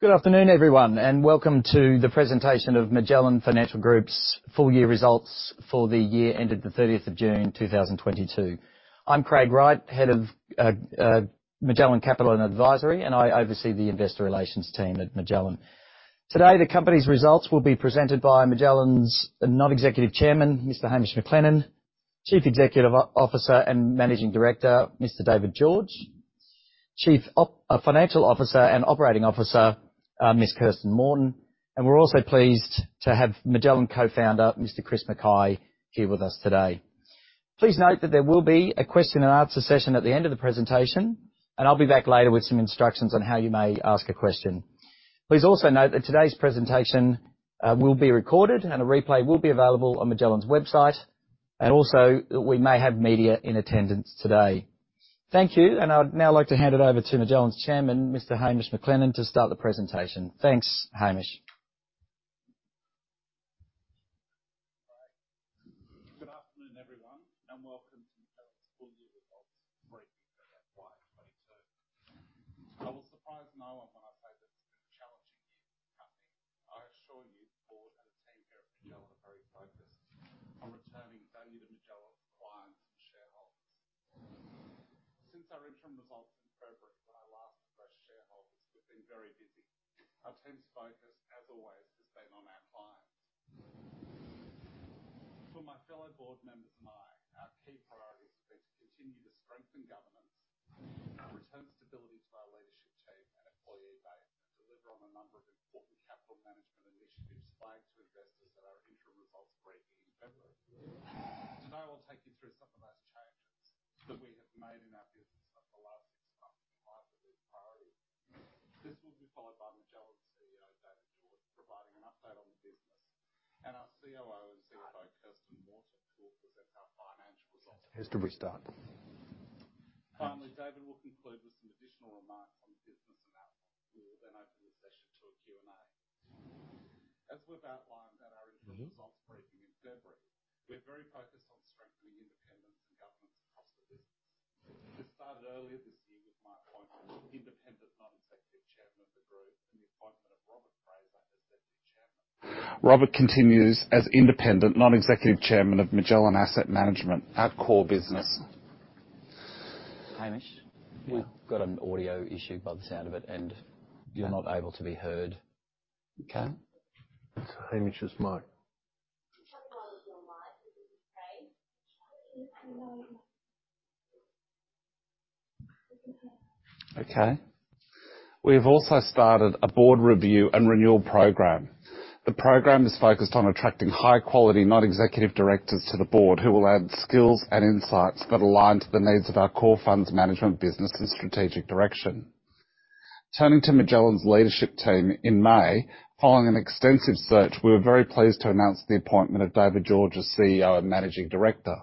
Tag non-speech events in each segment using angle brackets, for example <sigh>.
Good afternoon, everyone, and welcome to the presentation of Magellan Financial Group's full year results for the year ended the 30th of June, 2022. I'm Craig Wright, head of Magellan Capital and Advisory, and I oversee the investor relations team at Magellan. Today, the company's results will be presented by Magellan's Non-Executive Chairman, Mr. Hamish McLennan. Chief Executive Officer and Managing Director, Mr. David George. Chief Financial Officer and Chief Operating Officer, Ms. Kirsten Morton. We're also pleased to have Magellan co-founder, Mr. Chris Mackay, here with us today. Please note that there will be a question and answer session at the end of the presentation, and I'll be back later with some instructions on how you may ask a question. Please also note that today's presentation will be recorded and a replay will be available on Magellan's website. Also, we may have media in attendance today. Thank you, and I'd now like to hand it over to Magellan's chairman, Mr. Hamish McLennan, to start the presentation. Thanks, Hamish. CFO, Kirsten Morton, to present our financial results. Has to restart. Finally, David will conclude with some additional remarks on the business and outlook. We will then open the session to a Q&A. As we've outlined at our interim results briefing in February, we're very focused on strengthening independence and governance across the business. This started earlier this year with my appointment as independent non-executive chairman of the group and the appointment. <inaudible> Robert continues as Independent Non-Executive Chairman of Magellan Asset Management, our core business. Hamish, you've got an audio issue by the sound of it, and you're not able to be heard. Okay. It's Hamish's mic. Okay. We have also started a board review and renewal program. The program is focused on attracting high-quality non-executive directors to the board who will add skills and insights that align to the needs of our core funds management business and strategic direction. Turning to Magellan's leadership team. In May, following an extensive search, we were very pleased to announce the appointment of David George as CEO and Managing Director.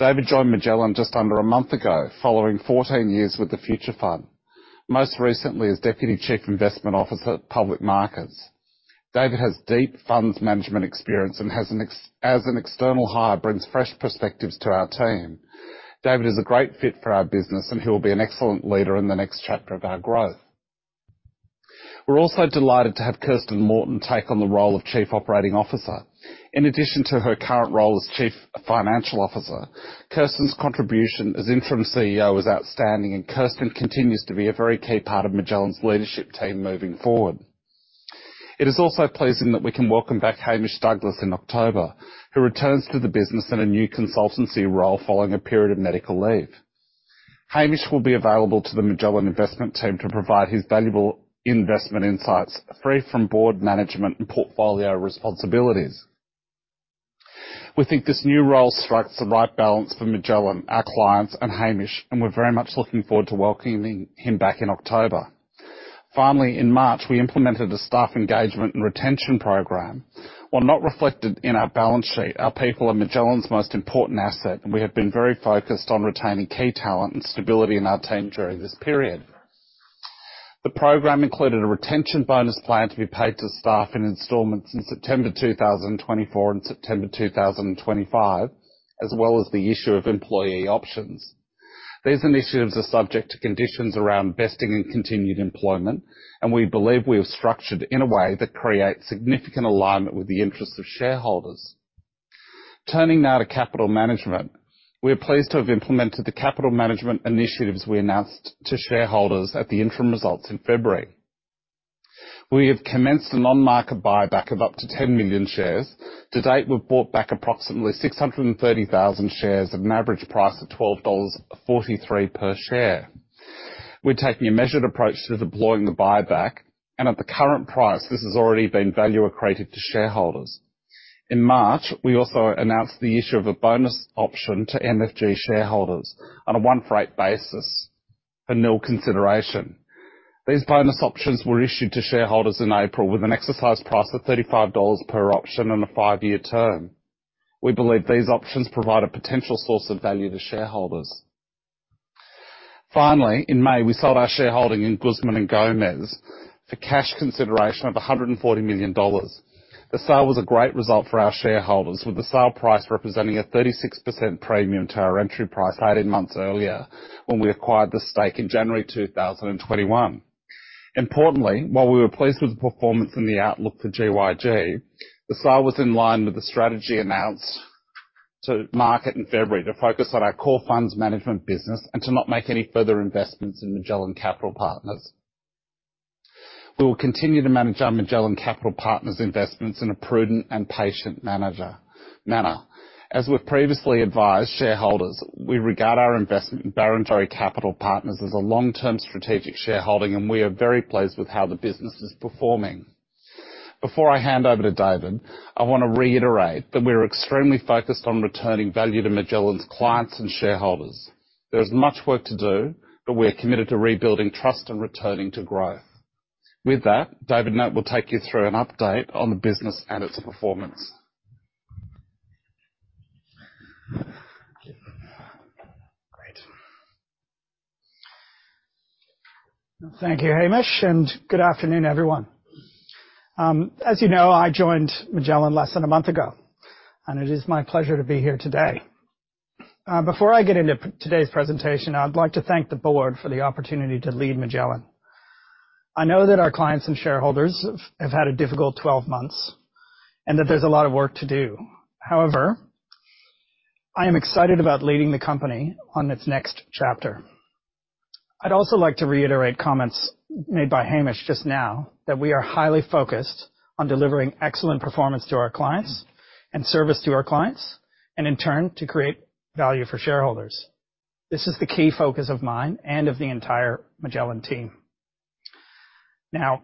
David joined Magellan just under a month ago, following 14 years with Future Fund, most recently as Deputy Chief Investment Officer, Public Markets. David has deep funds management experience and, as an external hire, brings fresh perspectives to our team. David is a great fit for our business, and he will be an excellent leader in the next chapter of our growth. We're also delighted to have Kirsten Morton take on the role of Chief Operating Officer. In addition to her current role as Chief Financial Officer, Kirsten's contribution as interim CEO is outstanding, and Kirsten continues to be a very key part of Magellan's leadership team moving forward. It is also pleasing that we can welcome back Hamish Douglass in October, who returns to the business in a new consultancy role following a period of medical leave. Hamish will be available to the Magellan investment team to provide his valuable investment insights free from board management and portfolio responsibilities. We think this new role strikes the right balance for Magellan, our clients and Hamish, and we're very much looking forward to welcoming him back in October. Finally, in March, we implemented a staff engagement and retention program. While not reflected in our balance sheet, our people are Magellan's most important asset, and we have been very focused on retaining key talent and stability in our team during this period. The program included a retention bonus plan to be paid to staff in installments in September 2024 and September 2025, as well as the issue of employee options. These initiatives are subject to conditions around vesting and continued employment, and we believe we have structured in a way that creates significant alignment with the interests of shareholders. Turning now to capital management. We are pleased to have implemented the capital management initiatives we announced to shareholders at the interim results in February. We have commenced an on-market buyback of up to 10 million shares. To date, we've bought back approximately 630,000 shares at an average price of 12.43 dollars per share. We're taking a measured approach to deploying the buyback, and at the current price, this has already been value accretive to shareholders. In March, we also announced the issue of a bonus option to MFG shareholders on a one-for-eight basis for nil consideration. These bonus options were issued to shareholders in April with an exercise price of 35 dollars per option and a 5-year term. We believe these options provide a potential source of value to shareholders. Finally, in May, we sold our shareholding in Guzman y Gomez for cash consideration of 140 million dollars. The sale was a great result for our shareholders, with the sale price representing a 36% premium to our entry price eighteen months earlier when we acquired the stake in January 2021. Importantly, while we were pleased with the performance and the outlook for GYG, the sale was in line with the strategy announced to market in February to focus on our core funds management business and to not make any further investments in Magellan Capital Partners. We will continue to manage our Magellan Capital Partners investments in a prudent and patient manner. As we've previously advised shareholders, we regard our investment in Barrenjoey Capital Partners as a long-term strategic shareholding, and we are very pleased with how the business is performing. Before I hand over to David, I wanna reiterate that we're extremely focused on returning value to Magellan's clients and shareholders. There's much work to do, but we are committed to rebuilding trust and returning to growth. With that, David George will take you through an update on the business and its performance. Great. Thank you, Hamish, and good afternoon, everyone. As you know, I joined Magellan less than a month ago, and it is my pleasure to be here today. Before I get into today's presentation, I'd like to thank the board for the opportunity to lead Magellan. I know that our clients and shareholders have had a difficult 12 months, and that there's a lot of work to do. However, I am excited about leading the company on its next chapter. I'd also like to reiterate comments made by Hamish just now that we are highly focused on delivering excellent performance to our clients and service to our clients, and in turn, to create value for shareholders. This is the key focus of mine and of the entire Magellan team. Now,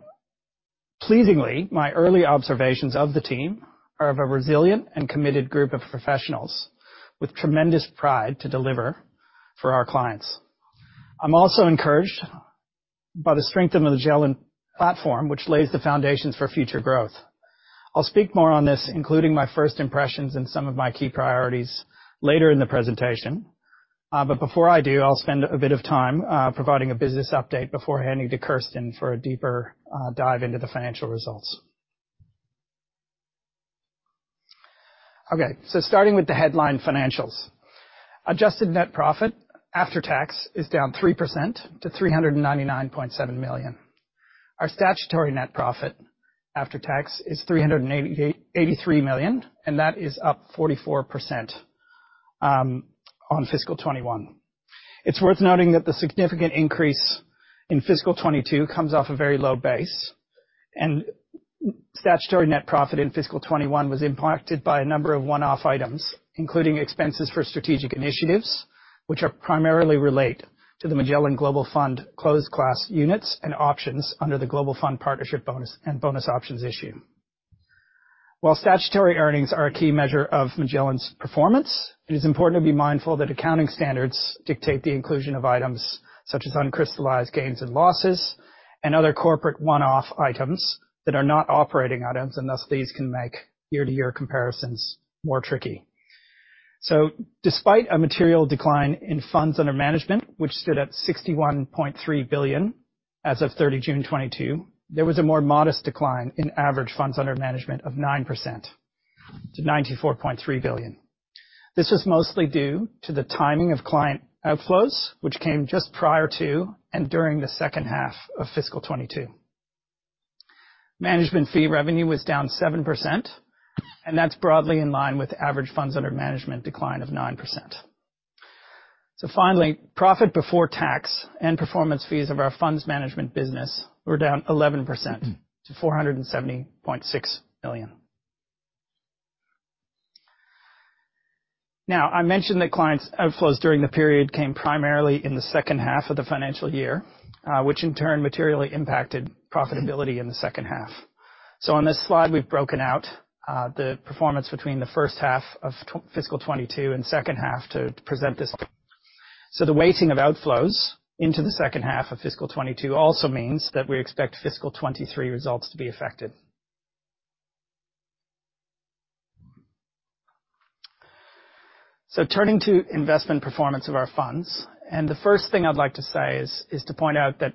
pleasingly, my early observations of the team are of a resilient and committed group of professionals with tremendous pride to deliver for our clients. I'm also encouraged by the strength of Magellan platform, which lays the foundations for future growth. I'll speak more on this, including my first impressions and some of my key priorities later in the presentation. But before I do, I'll spend a bit of time providing a business update before handing to Kirsten for a deeper dive into the financial results. Okay. Starting with the headline financials. Adjusted net profit after tax is down 3% to 399.7 million. Our statutory net profit after tax is 383 million, and that is up 44% on fiscal 2021. It's worth noting that the significant increase in fiscal 2022 comes off a very low base. Statutory net profit in fiscal 2021 was impacted by a number of one-off items, including expenses for strategic initiatives, which are primarily related to the Magellan Global Fund closed class units and options under the Global Fund Partnership bonus and bonus options issue. While statutory earnings are a key measure of Magellan's performance, it is important to be mindful that accounting standards dictate the inclusion of items such as uncrystallized gains and losses and other corporate one-off items that are not operating items, and thus these can make year-to-year comparisons more tricky. Despite a material decline in funds under management, which stood at 61.3 billion as of 30 June 2022, there was a more modest decline in average funds under management of 9% to 94.3 billion. This was mostly due to the timing of client outflows, which came just prior to and during the second half of fiscal 2022. Management fee revenue was down 7%, and that's broadly in line with average funds under management decline of 9%. Finally, profit before tax and performance fees of our funds management business were down 11% to 470.6 million. Now, I mentioned that clients' outflows during the period came primarily in the second half of the financial year, which in turn materially impacted profitability in the second half. On this slide, we've broken out the performance between the first half of fiscal 2022 and second half to present this. The weighting of outflows into the second half of fiscal 2022 also means that we expect fiscal 2023 results to be affected. Turning to investment performance of our funds, the first thing I'd like to say is to point out that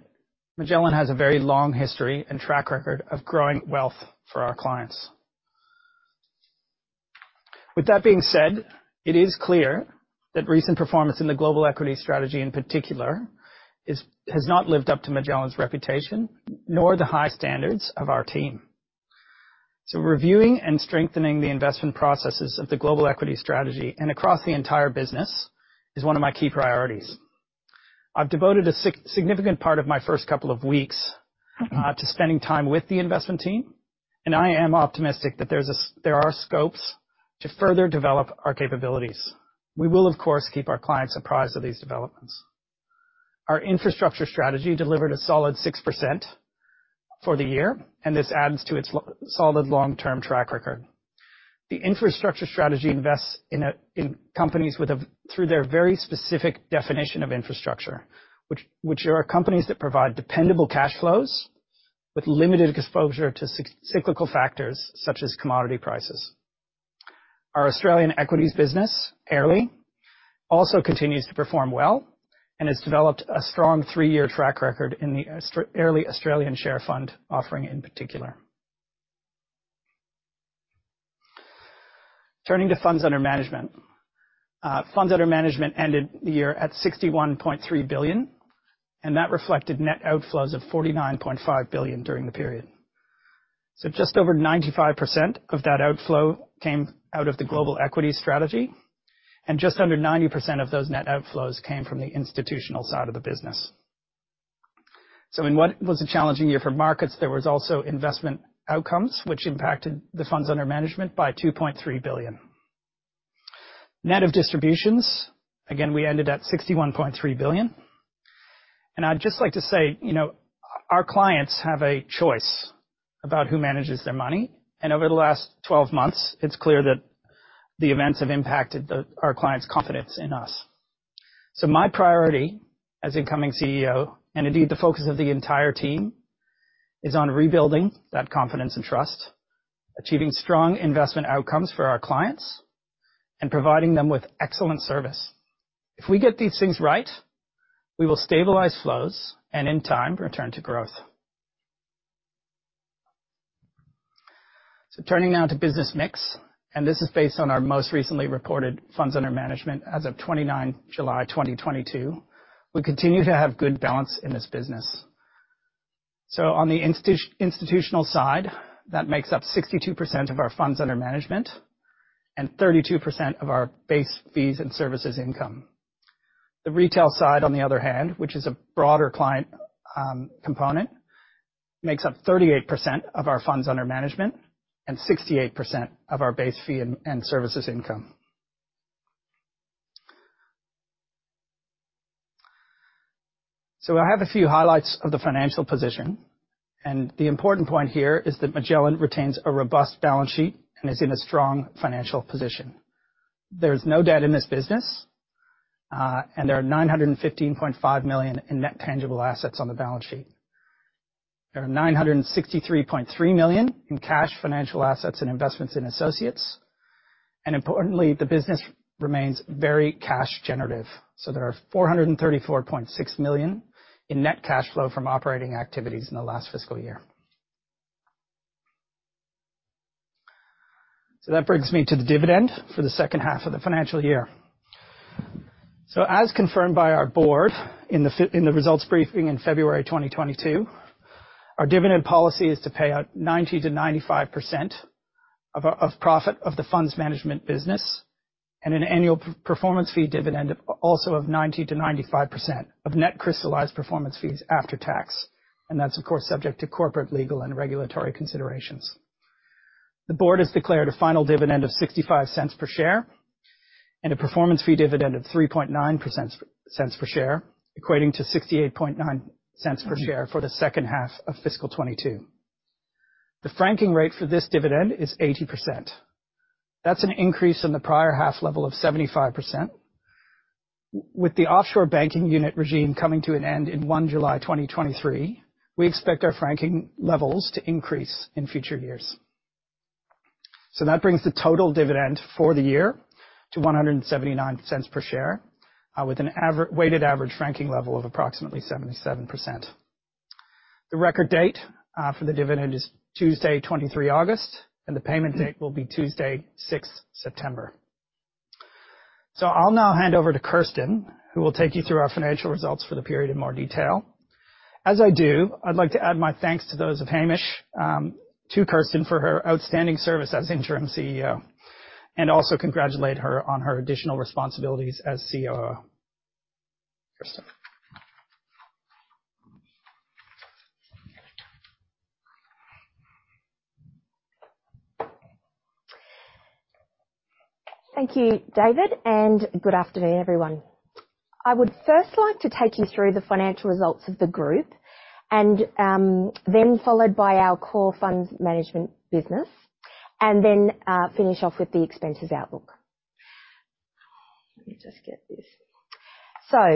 Magellan has a very long history and track record of growing wealth for our clients. With that being said, it is clear that recent performance in the global equity strategy in particular has not lived up to Magellan's reputation, nor the high standards of our team. Reviewing and strengthening the investment processes of the global equity strategy and across the entire business is one of my key priorities. I've devoted a significant part of my first couple of weeks to spending time with the investment team, and I am optimistic that there are scopes to further develop our capabilities. We will, of course, keep our clients apprised of these developments. Our infrastructure strategy delivered a solid 6% for the year, and this adds to its solid long-term track record. The infrastructure strategy invests in companies with a through their very specific definition of infrastructure, which are companies that provide dependable cash flows with limited exposure to cyclical factors such as commodity prices. Our Australian equities business, Airlie, also continues to perform well and has developed a strong three-year track record in the Airlie Australian Share Fund offering in particular. Turning to funds under management. Funds under management ended the year at 61.3 billion, and that reflected net outflows of 49.5 billion during the period. Just over 95% of that outflow came out of the global equity strategy, and just under 90% of those net outflows came from the institutional side of the business. In what was a challenging year for markets, there was also investment outcomes which impacted the funds under management by 2.3 billion. Net of distributions, again, we ended at 61.3 billion. I'd just like to say, you know, our clients have a choice about who manages their money, and over the last 12 months, it's clear that the events have impacted the, our clients' confidence in us. My priority as incoming CEO, and indeed the focus of the entire team, is on rebuilding that confidence and trust, achieving strong investment outcomes for our clients, and providing them with excellent service. If we get these things right, we will stabilize flows and in time, return to growth. Turning now to business mix, and this is based on our most recently reported funds under management as of 29 July 2022. We continue to have good balance in this business. On the institutional side, that makes up 62% of our funds under management and 32% of our base fees and services income. The retail side, on the other hand, which is a broader client component, makes up 38% of our funds under management and 68% of our base fee and services income. I have a few highlights of the financial position, and the important point here is that Magellan retains a robust balance sheet and is in a strong financial position. There's no debt in this business, and there are 915.5 million in net tangible assets on the balance sheet. There are 963.3 million in cash, financial assets and investments in associates. Importantly, the business remains very cash generative. There are 434.6 million in net cash flow from operating activities in the last fiscal year. That brings me to the dividend for the second half of the financial year. As confirmed by our board in the results briefing in February 2022, our dividend policy is to pay out 90%-95% of profit of the funds management business, and an annual performance fee dividend also of 90%-95% of net crystallized performance fees after tax, and that's of course subject to corporate, legal, and regulatory considerations. The board has declared a final dividend of 0.65 per share and a performance fee dividend of 0.039 per share, equating to 0.689 per share for the second half of fiscal 2022. The franking rate for this dividend is 80%. That's an increase in the prior half level of 75%. With the offshore banking unit regime coming to an end in 1 July 2023, we expect our franking levels to increase in future years. That brings the total dividend for the year to 1.79 per share, with a weighted average franking level of approximately 77%. The record date for the dividend is Tuesday, 23 August, and the payment date will be Tuesday, 6 September. I'll now hand over to Kirsten, who will take you through our financial results for the period in more detail. As I do, I'd like to add my thanks to those of Hamish to Kirsten for her outstanding service as interim CEO, and also congratulate her on her additional responsibilities as COO. Kirsten. Thank you, David, and good afternoon, everyone. I would first like to take you through the financial results of the group and then followed by our core funds management business, and then finish off with the expenses outlook. Let me just get this.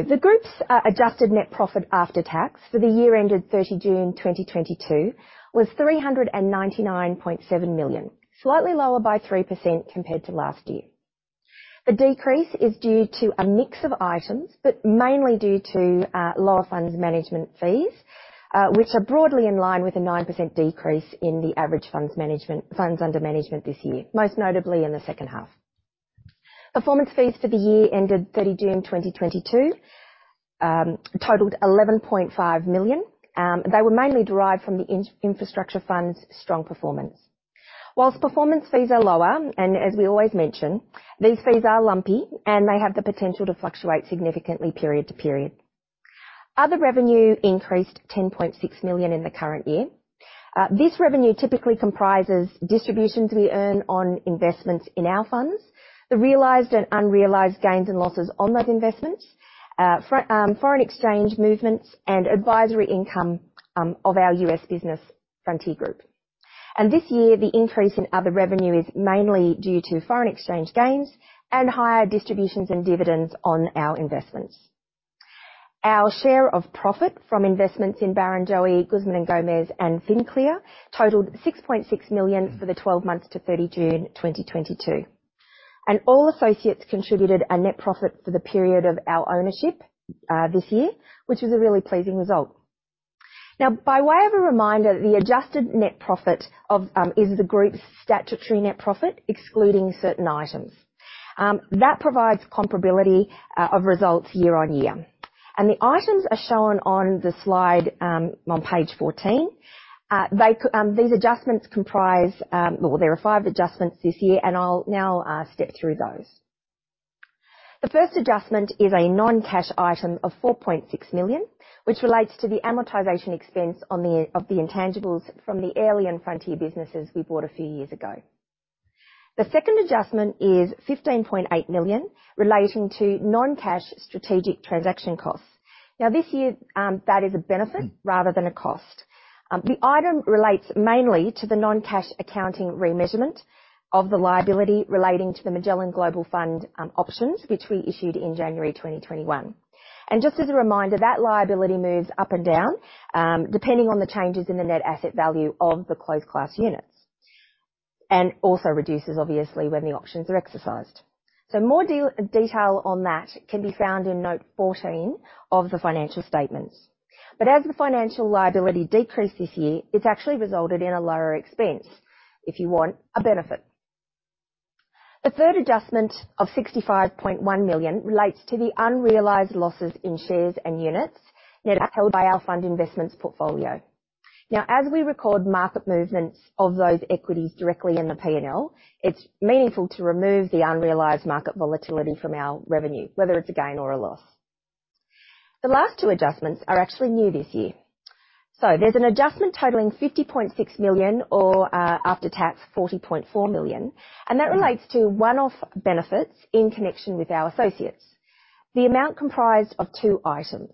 The group's adjusted net profit after tax for the year ended 30 June 2022 was 399.7 million. Slightly lower by 3% compared to last year. The decrease is due to a mix of items, but mainly due to lower funds management fees, which are broadly in line with a 9% decrease in the average funds under management this year, most notably in the second half. Performance fees for the year ended 30 June 2022 totaled 11.5 million. They were mainly derived from the infrastructure fund's strong performance. While performance fees are lower, and as we always mention, these fees are lumpy, and they have the potential to fluctuate significantly period to period. Other revenue increased 10.6 million in the current year. This revenue typically comprises distributions we earn on investments in our funds, the realized and unrealized gains and losses on those investments, from foreign exchange movements and advisory income of our U.S. business Frontier Partners Group. This year, the increase in other revenue is mainly due to foreign exchange gains and higher distributions and dividends on our investments. Our share of profit from investments in Barrenjoey, Guzman y Gomez, and Finclear totaled 6.6 million for the 12 months to 30 June 2022. All associates contributed a net profit for the period of our ownership, this year, which is a really pleasing result. Now, by way of a reminder, the adjusted net profit of is the group's statutory net profit excluding certain items. That provides comparability of results year-over-year. The items are shown on the slide on page 14. These adjustments comprise. Well, there are five adjustments this year, and I'll now step through those. The first adjustment is a non-cash item of 4.6 million, which relates to the amortization expense of the intangibles from the Airlie and Frontier businesses we bought a few years ago. The second adjustment is 15.8 million relating to non-cash strategic transaction costs. Now, this year, that is a benefit rather than a cost. The item relates mainly to the non-cash accounting remeasurement of the liability relating to the Magellan Global Fund options, which we issued in January 2021. Just as a reminder, that liability moves up and down depending on the changes in the net asset value of the closed class units. It also reduces, obviously, when the options are exercised. More detail on that can be found in note 14 of the financial statements. As the financial liability decreased this year, it's actually resulted in a lower expense. If you want, a benefit. The third adjustment of 65.1 million relates to the unrealized losses in shares and units held by our fund investments portfolio. Now, as we record market movements of those equities directly in the P&L, it's meaningful to remove the unrealized market volatility from our revenue, whether it's a gain or a loss. The last two adjustments are actually new this year. There's an adjustment totaling 50.6 million or, after tax, 40.4 million, and that relates to one-off benefits in connection with our associates. The amount comprised of two items.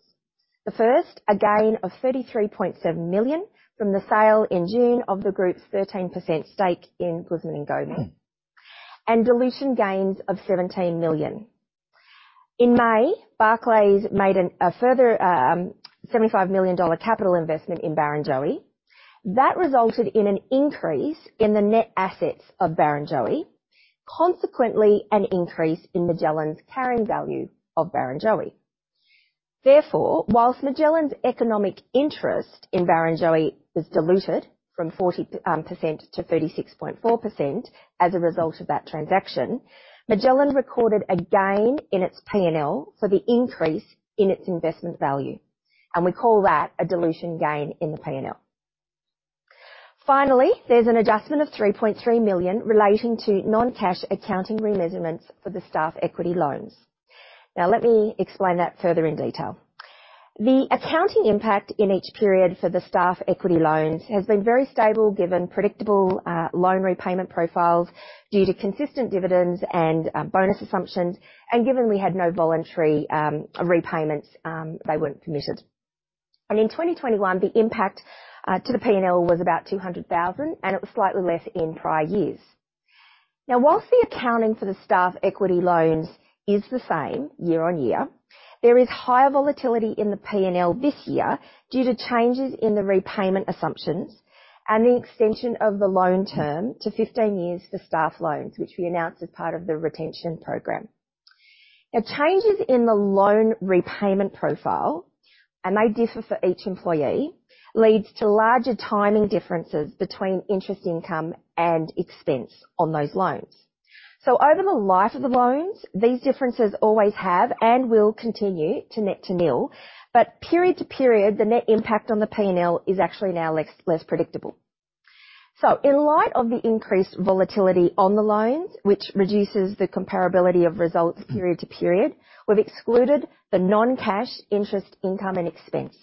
The first, a gain of 33.7 million from the sale in June of the group's 13% stake in Guzman y Gomez. Dilution gains of 17 million. In May, Barclays made a further AUD 75 million capital investment in Barrenjoey. That resulted in an increase in the net assets of Barrenjoey, consequently an increase in Magellan's carrying value of Barrenjoey. Therefore, while Magellan's economic interest in Barrenjoey was diluted from 40%-36.4% as a result of that transaction, Magellan recorded a gain in its P&L for the increase in its investment value, and we call that a dilution gain in the P&L. Finally, there's an adjustment of 3.3 million relating to non-cash accounting remeasurements for the staff equity loans. Now, let me explain that further in detail. The accounting impact in each period for the staff equity loans has been very stable, given predictable loan repayment profiles due to consistent dividends and bonus assumptions. Given we had no voluntary repayments, they weren't permitted. In 2021, the impact to the P&L was about 200,000, and it was slightly less in prior years. Now, while the accounting for the staff equity loans is the same year on year, there is higher volatility in the P&L this year due to changes in the repayment assumptions and the extension of the loan term to 15 years for staff loans, which we announced as part of the retention program. Now, changes in the loan repayment profile, and they differ for each employee, leads to larger timing differences between interest income and expense on those loans. Over the life of the loans, these differences always have and will continue to net to nil, but period to period, the net impact on the P&L is actually now less predictable. In light of the increased volatility on the loans, which reduces the comparability of results period to period, we've excluded the non-cash interest, income, and expense.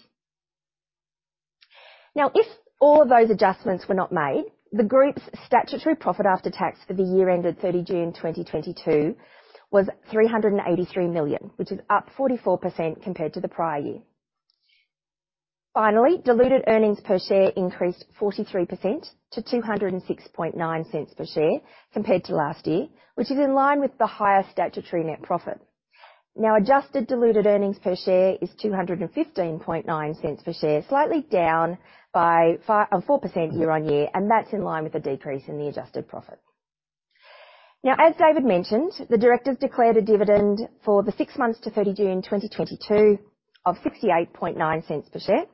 Now, if all of those adjustments were not made, the group's statutory profit after tax for the year ended 30 June 2022 was 383 million, which is up 44% compared to the prior year. Finally, diluted earnings per share increased 43% to 2.069 per share compared to last year, which is in line with the higher statutory net profit. Now, adjusted diluted earnings per share is 2.159 per share, slightly down by 4% year-on-year, and that's in line with a decrease in the adjusted profit. Now, as David mentioned, the directors declared a dividend for the six months to 30 June 2022 of 0.689 per share,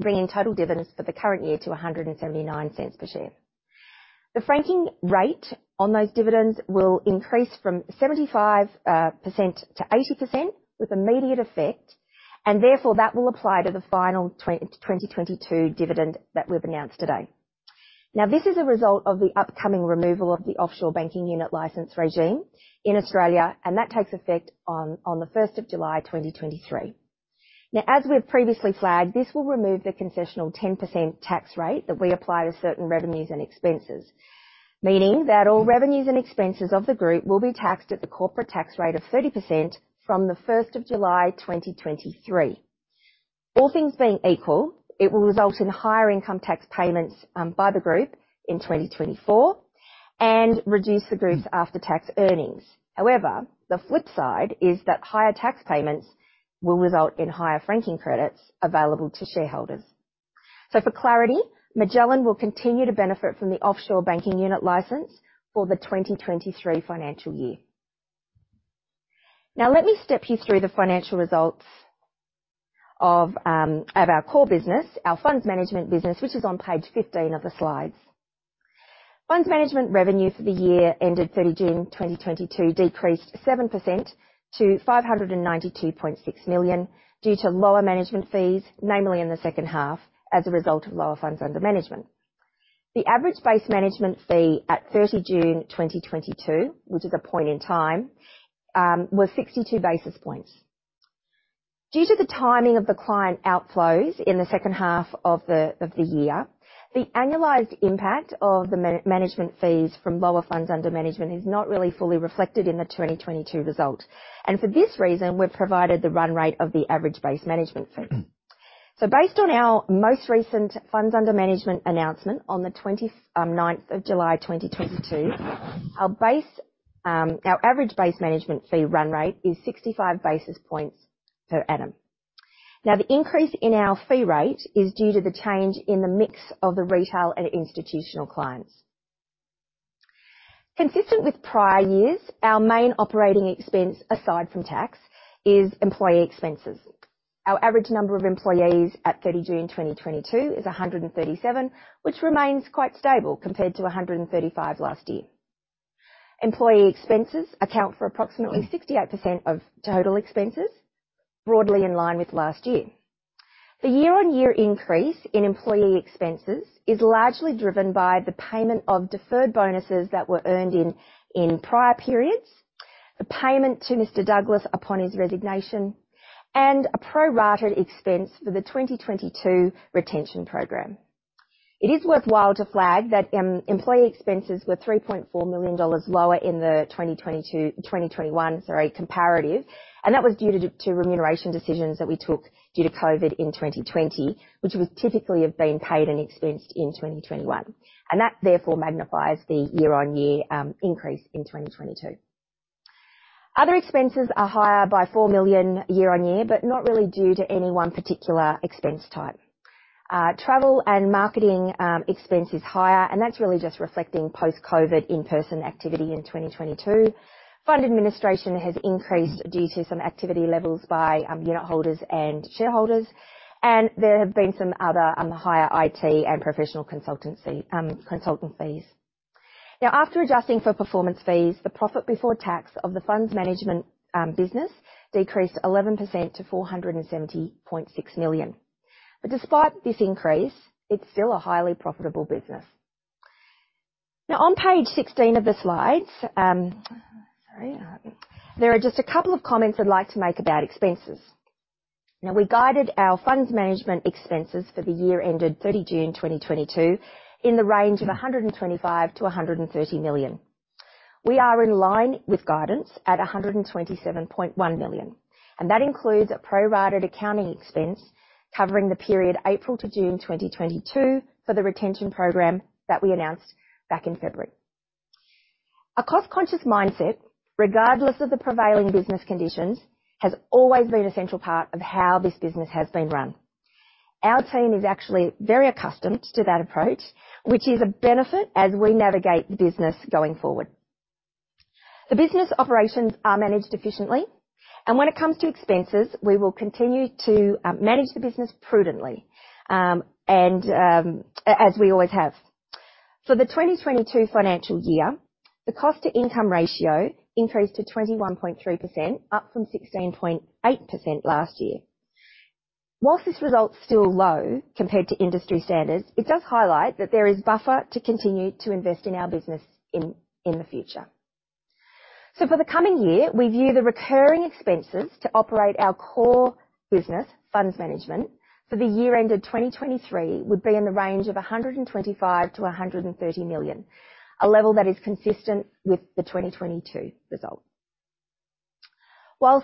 bringing total dividends for the current year to 1.79 per share. The franking rate on those dividends will increase from 75%-80% with immediate effect, and therefore that will apply to the final 2022 dividend that we've announced today. This is a result of the upcoming removal of the offshore banking unit license regime in Australia, and that takes effect on the first of July 2023. As we have previously flagged, this will remove the concessional 10% tax rate that we apply to certain revenues and expenses, meaning that all revenues and expenses of the group will be taxed at the corporate tax rate of 30% from the first of July 2023. All things being equal, it will result in higher income tax payments by the group in 2024 and reduce the group's after-tax earnings. However, the flip side is that higher tax payments will result in higher franking credits available to shareholders. For clarity, Magellan will continue to benefit from the offshore banking unit license for the 2023 financial year. Now, let me step you through the financial results of our core business, our funds management business, which is on page 15 of the slides. Funds management revenue for the year ended 30 June 2022 decreased 7% to 592.6 million due to lower management fees, namely in the second half as a result of lower funds under management. The average base management fee at 30 June 2022, which is a point in time, was 62 basis points. Due to the timing of the client outflows in the second half of the year, the annualized impact of the management fees from lower funds under management is not really fully reflected in the 2022 result. For this reason, we've provided the run rate of the average base management fee. Based on our most recent funds under management announcement on the twenty-ninth of July 2022, our average base management fee run rate is 65 basis points per annum. Now, the increase in our fee rate is due to the change in the mix of the retail and institutional clients. Consistent with prior years, our main operating expense, aside from tax, is employee expenses. Our average number of employees at 30 June 2022 is 137, which remains quite stable compared to 135 last year. Employee expenses account for approximately 68% of total expenses, broadly in line with last year. The year-on-year increase in employee expenses is largely driven by the payment of deferred bonuses that were earned in prior periods, the payment to Mr. Douglas upon his resignation, and a pro rata expense for the 2022 retention program. It is worthwhile to flag that employee expenses were 3.4 million dollars lower in the 2021 comparative, and that was due to remuneration decisions that we took due to COVID in 2020, which would typically have been paid and expensed in 2021. That therefore magnifies the year-on-year increase in 2022. Other expenses are higher by 4 million year on year, but not really due to any one particular expense type. Travel and marketing expense is higher, and that's really just reflecting post-COVID in-person activity in 2022. Fund administration has increased due to some activity levels by unitholders and shareholders, and there have been some other higher IT and professional consultancy, consulting fees. Now, after adjusting for performance fees, the profit before tax of the funds management business decreased 11% to 470.6 million. Despite this increase, it's still a highly profitable business. Now, on page 16 of the slides, there are just a couple of comments I'd like to make about expenses. Now, we guided our funds management expenses for the year ended June 30, 2022 in the range of 125 million-130 million. We are in line with guidance at 127.1 million, and that includes a pro rata accounting expense covering the period April to June 2022 for the retention program that we announced back in February. A cost-conscious mindset, regardless of the prevailing business conditions, has always been a central part of how this business has been run. Our team is actually very accustomed to that approach, which is a benefit as we navigate the business going forward. The business operations are managed efficiently, and when it comes to expenses, we will continue to manage the business prudently, and as we always have. For the 2022 financial year, the cost-to-income ratio increased to 21.3%, up from 16.8% last year. While this result's still low compared to industry standards, it does highlight that there is buffer to continue to invest in our business in the future. For the coming year, we view the recurring expenses to operate our core business, funds management, for the year end of 2023 would be in the range of 125 million-130 million, a level that is consistent with the 2022 result. While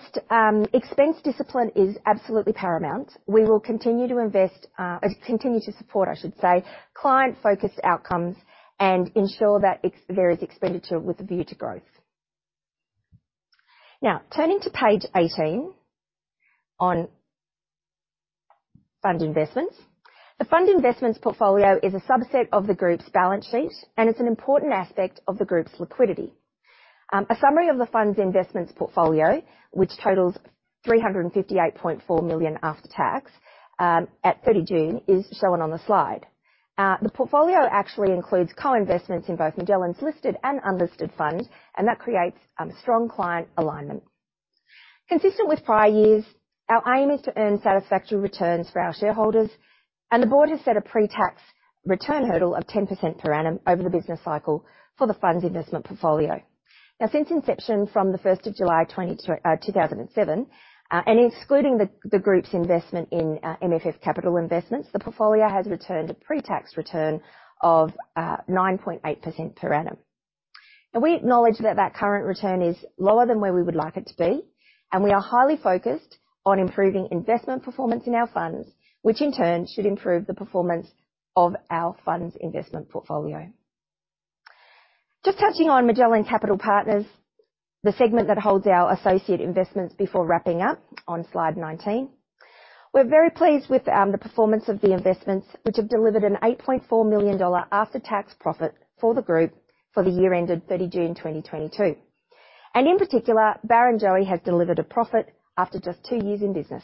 expense discipline is absolutely paramount, we will continue to support, I should say, client-focused outcomes and ensure that there is expenditure with a view to growth. Now, turning to page 18 on fund investments. The fund investments portfolio is a subset of the group's balance sheet, and it's an important aspect of the group's liquidity. A summary of the funds investments portfolio, which totals 358.4 million after tax, at 30 June, is shown on the slide. The portfolio actually includes co-investments in both Magellan's listed and unlisted funds, and that creates strong client alignment. Consistent with prior years, our aim is to earn satisfactory returns for our shareholders, and the board has set a pre-tax return hurdle of 10% per annum over the business cycle for the fund's investment portfolio. Now, since inception from the first of July 2007, and excluding the group's investment in MFF Capital Investments, the portfolio has returned a pre-tax return of 9.8% per annum. We acknowledge that current return is lower than where we would like it to be, and we are highly focused on improving investment performance in our funds, which in turn should improve the performance of our funds investment portfolio. Just touching on Magellan Capital Partners, the segment that holds our associate investments before wrapping up on slide 19. We're very pleased with the performance of the investments, which have delivered an 8.4 million dollar after-tax profit for the group for the year ended June 30, 2022. In particular, Barrenjoey has delivered a profit after just two years in business.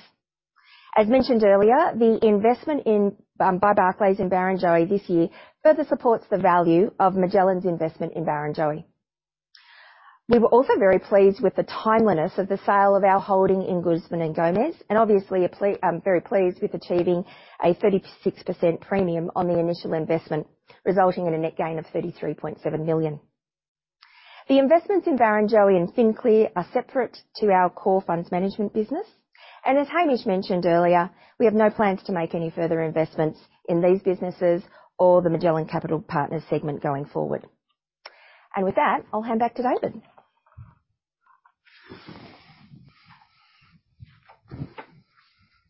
As mentioned earlier, the investment in by Barclays in Barrenjoey this year further supports the value of Magellan's investment in Barrenjoey. We were also very pleased with the timeliness of the sale of our holding in Guzman y Gomez, and obviously very pleased with achieving a 36% premium on the initial investment, resulting in a net gain of AUD 33.7 million. The investments in Barrenjoey and Finclear are separate to our core funds management business, and as Hamish mentioned earlier, we have no plans to make any further investments in these businesses or the Magellan Capital Partners segment going forward. With that, I'll hand back to David.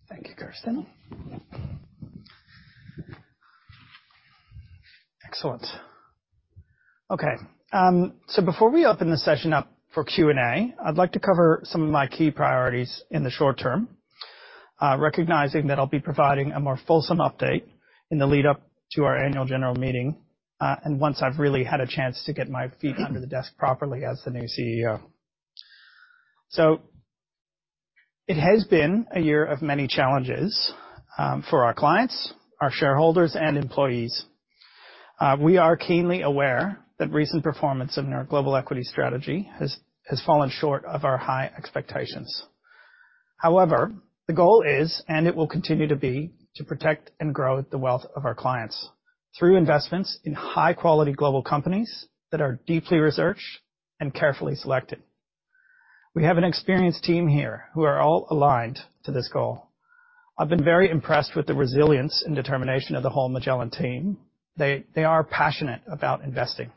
Thank you, Kirsten. Excellent. Okay, before we open the session up for Q&A, I'd like to cover some of my key priorities in the short term, recognizing that I'll be providing a more fulsome update in the lead-up to our annual general meeting, and once I've really had a chance to get my feet under the desk properly as the new CEO. It has been a year of many challenges for our clients, our shareholders, and employees. We are keenly aware that recent performance in our global equity strategy has fallen short of our high expectations. However, the goal is, and it will continue to be, to protect and grow the wealth of our clients through investments in high-quality global companies that are deeply researched and carefully selected. We have an experienced team here who are all aligned to this goal. I've been very impressed with the resilience and determination of the whole Magellan team. They are passionate about investing.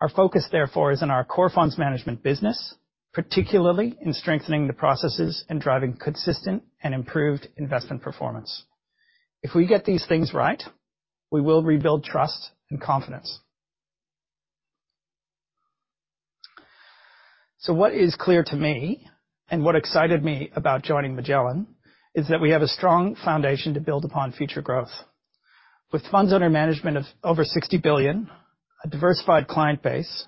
Our focus, therefore, is on our core funds management business, particularly in strengthening the processes and driving consistent and improved investment performance. If we get these things right, we will rebuild trust and confidence. What is clear to me, and what excited me about joining Magellan, is that we have a strong foundation to build upon future growth. With funds under management of over 60 billion, a diversified client base,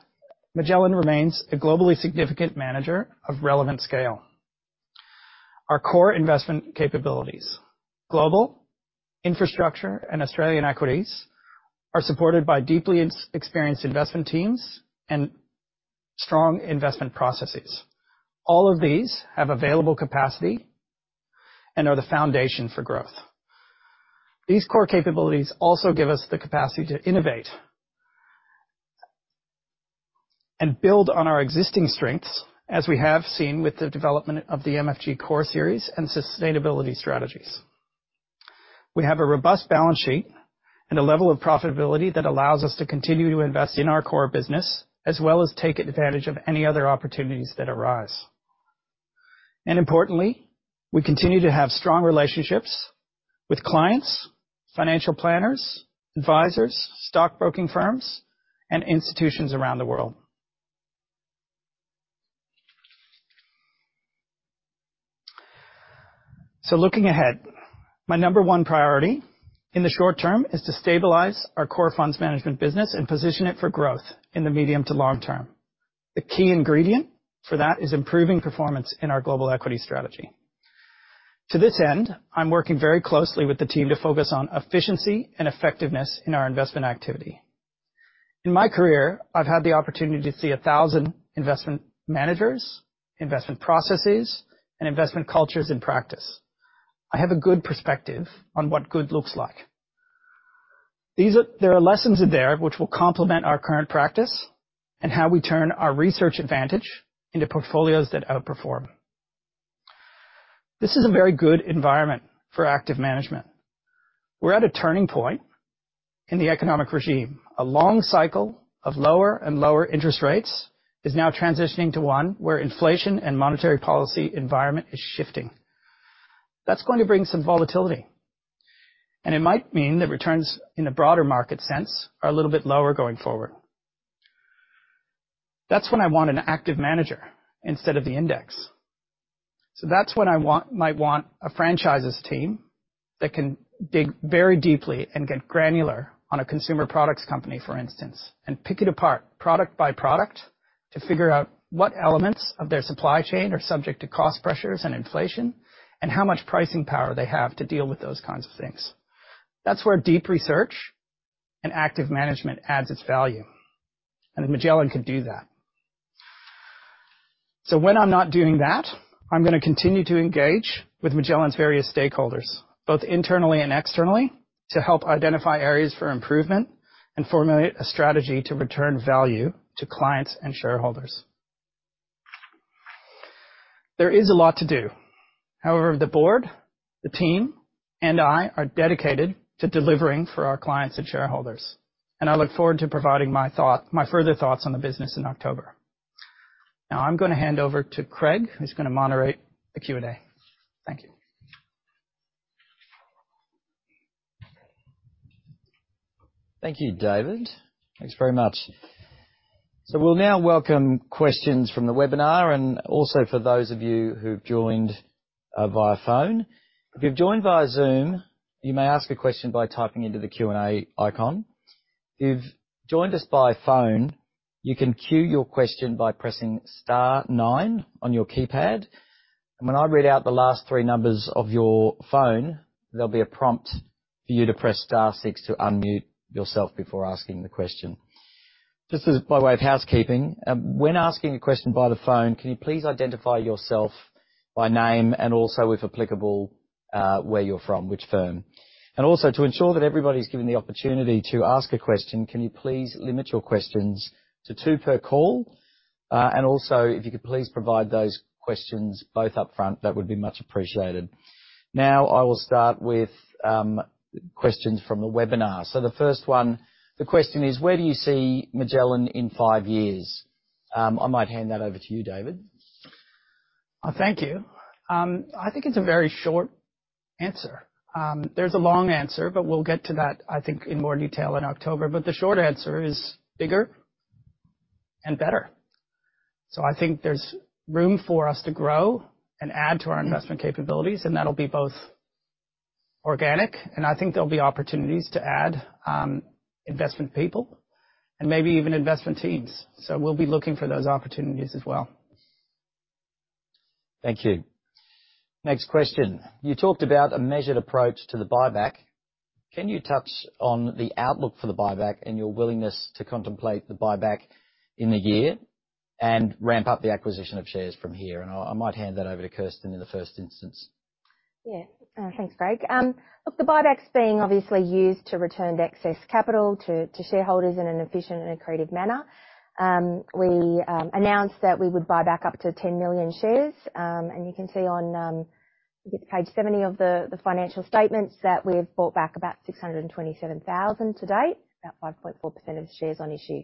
Magellan remains a globally significant manager of relevant scale. Our core investment capabilities, global, infrastructure, and Australian equities, are supported by deeply experienced investment teams and strong investment processes. All of these have available capacity and are the foundation for growth. These core capabilities also give us the capacity to innovate and build on our existing strengths, as we have seen with the development of the MFG Core Series and sustainability strategies. We have a robust balance sheet and a level of profitability that allows us to continue to invest in our core business, as well as take advantage of any other opportunities that arise. Importantly, we continue to have strong relationships with clients, financial planners, advisors, stockbroking firms, and institutions around the world. Looking ahead, my number one priority in the short term is to stabilize our core funds management business and position it for growth in the medium to long term. The key ingredient for that is improving performance in our global equity strategy. To this end, I'm working very closely with the team to focus on efficiency and effectiveness in our investment activity. In my career, I've had the opportunity to see 1,000 investment managers, investment processes, and investment cultures in practice. I have a good perspective on what good looks like. There are lessons in there which will complement our current practice and how we turn our research advantage into portfolios that outperform. This is a very good environment for active management. We're at a turning point in the economic regime. A long cycle of lower and lower interest rates is now transitioning to one where inflation and monetary policy environment is shifting. That's going to bring some volatility, and it might mean that returns in a broader market sense are a little bit lower going forward. That's when I want an active manager instead of the index. That's when I might want a franchises team that can dig very deeply and get granular on a consumer products company, for instance, and pick it apart product by product to figure out what elements of their supply chain are subject to cost pressures and inflation and how much pricing power they have to deal with those kinds of things. That's where deep research and active management adds its value, and Magellan can do that. When I'm not doing that, I'm gonna continue to engage with Magellan's various stakeholders, both internally and externally, to help identify areas for improvement and formulate a strategy to return value to clients and shareholders. There is a lot to do. However, the board, the team, and I are dedicated to delivering for our clients and shareholders, and I look forward to providing my further thoughts on the business in October. Now I'm gonna hand over to Craig, who's gonna moderate the Q&A. Thank you. Thank you, David. Thanks very much. We'll now welcome questions from the webinar and also for those of you who've joined via phone. If you've joined via Zoom, you may ask a question by typing into the Q&A icon. If you've joined us by phone, you can queue your question by pressing *nine on your keypad. When I read out the last three numbers of your phone, there'll be a prompt for you to press *six to unmute yourself before asking the question. Just as by way of housekeeping, when asking a question by the phone, can you please identify yourself by name and also, if applicable, where you're from, which firm. Also to ensure that everybody's given the opportunity to ask a question, can you please limit your questions to two per call? If you could please provide those questions both up front, that would be much appreciated. Now I will start with questions from the webinar. The first one, the question is: where do you see Magellan in five years? I might hand that over to you, David. Thank you. I think it's a very short answer. There's a long answer, but we'll get to that, I think, in more detail in October. The short answer is bigger and better. I think there's room for us to grow and add to our investment capabilities, and that'll be both organic, and I think there'll be opportunities to add investment people and maybe even investment teams. We'll be looking for those opportunities as well. Thank you. Next question: you talked about a measured approach to the buyback. Can you touch on the outlook for the buyback and your willingness to contemplate the buyback in the year and ramp up the acquisition of shares from here? I might hand that over to Kirsten in the first instance. Yeah. Thanks, Craig. Look, the buyback's being obviously used to return the excess capital to shareholders in an efficient and accretive manner. We announced that we would buy back up to 10 million shares, and you can see on Page 70 of the financial statements that we've bought back about 627,000 to date, about 5.4% of the shares on issue.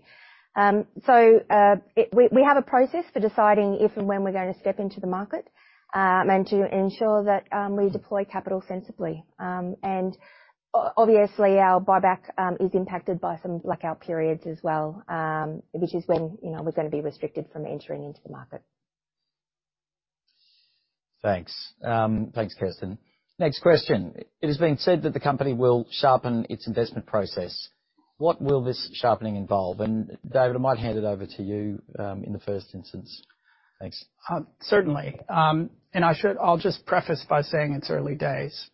We have a process for deciding if and when we're gonna step into the market, and to ensure that we deploy capital sensibly. Obviously, our buyback is impacted by some blackout periods as well, which is when, you know, we're gonna be restricted from entering into the market. Thanks. Thanks, Kirsten. Next question: it has been said that the company will sharpen its investment process. What will this sharpening involve? David, I might hand it over to you, in the first instance. Thanks. Certainly. I'll just preface by saying it's early days,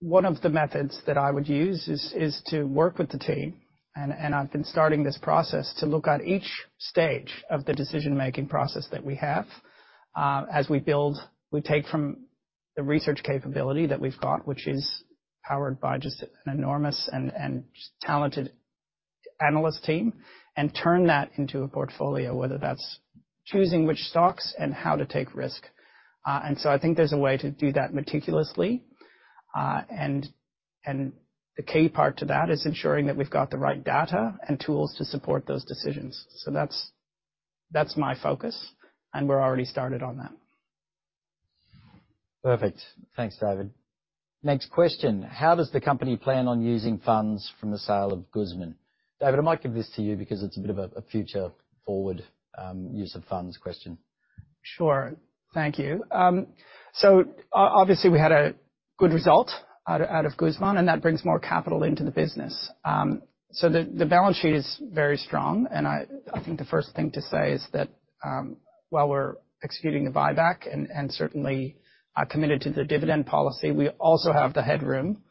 but one of the methods that I would use is to work with the team, and I've been starting this process to look at each stage of the decision-making process that we have. As we build, we take from the research capability that we've got, which is powered by just an enormous and talented analyst team, and turn that into a portfolio, whether that's choosing which stocks and how to take risk. The key part to that is ensuring that we've got the right data and tools to support those decisions. That's my focus, and we're already started on that. Perfect. Thanks, David. Next question: how does the company plan on using funds from the sale of Guzman y Gomez? David, I might give this to you because it's a bit of a future forward use of funds question. Sure. Thank you. Obviously, we had a good result out of Guzman, and that brings more capital into the business. The balance sheet is very strong, and I think the first thing to say is that, while we're executing the buyback and certainly are committed to the dividend policy, we also have the headroom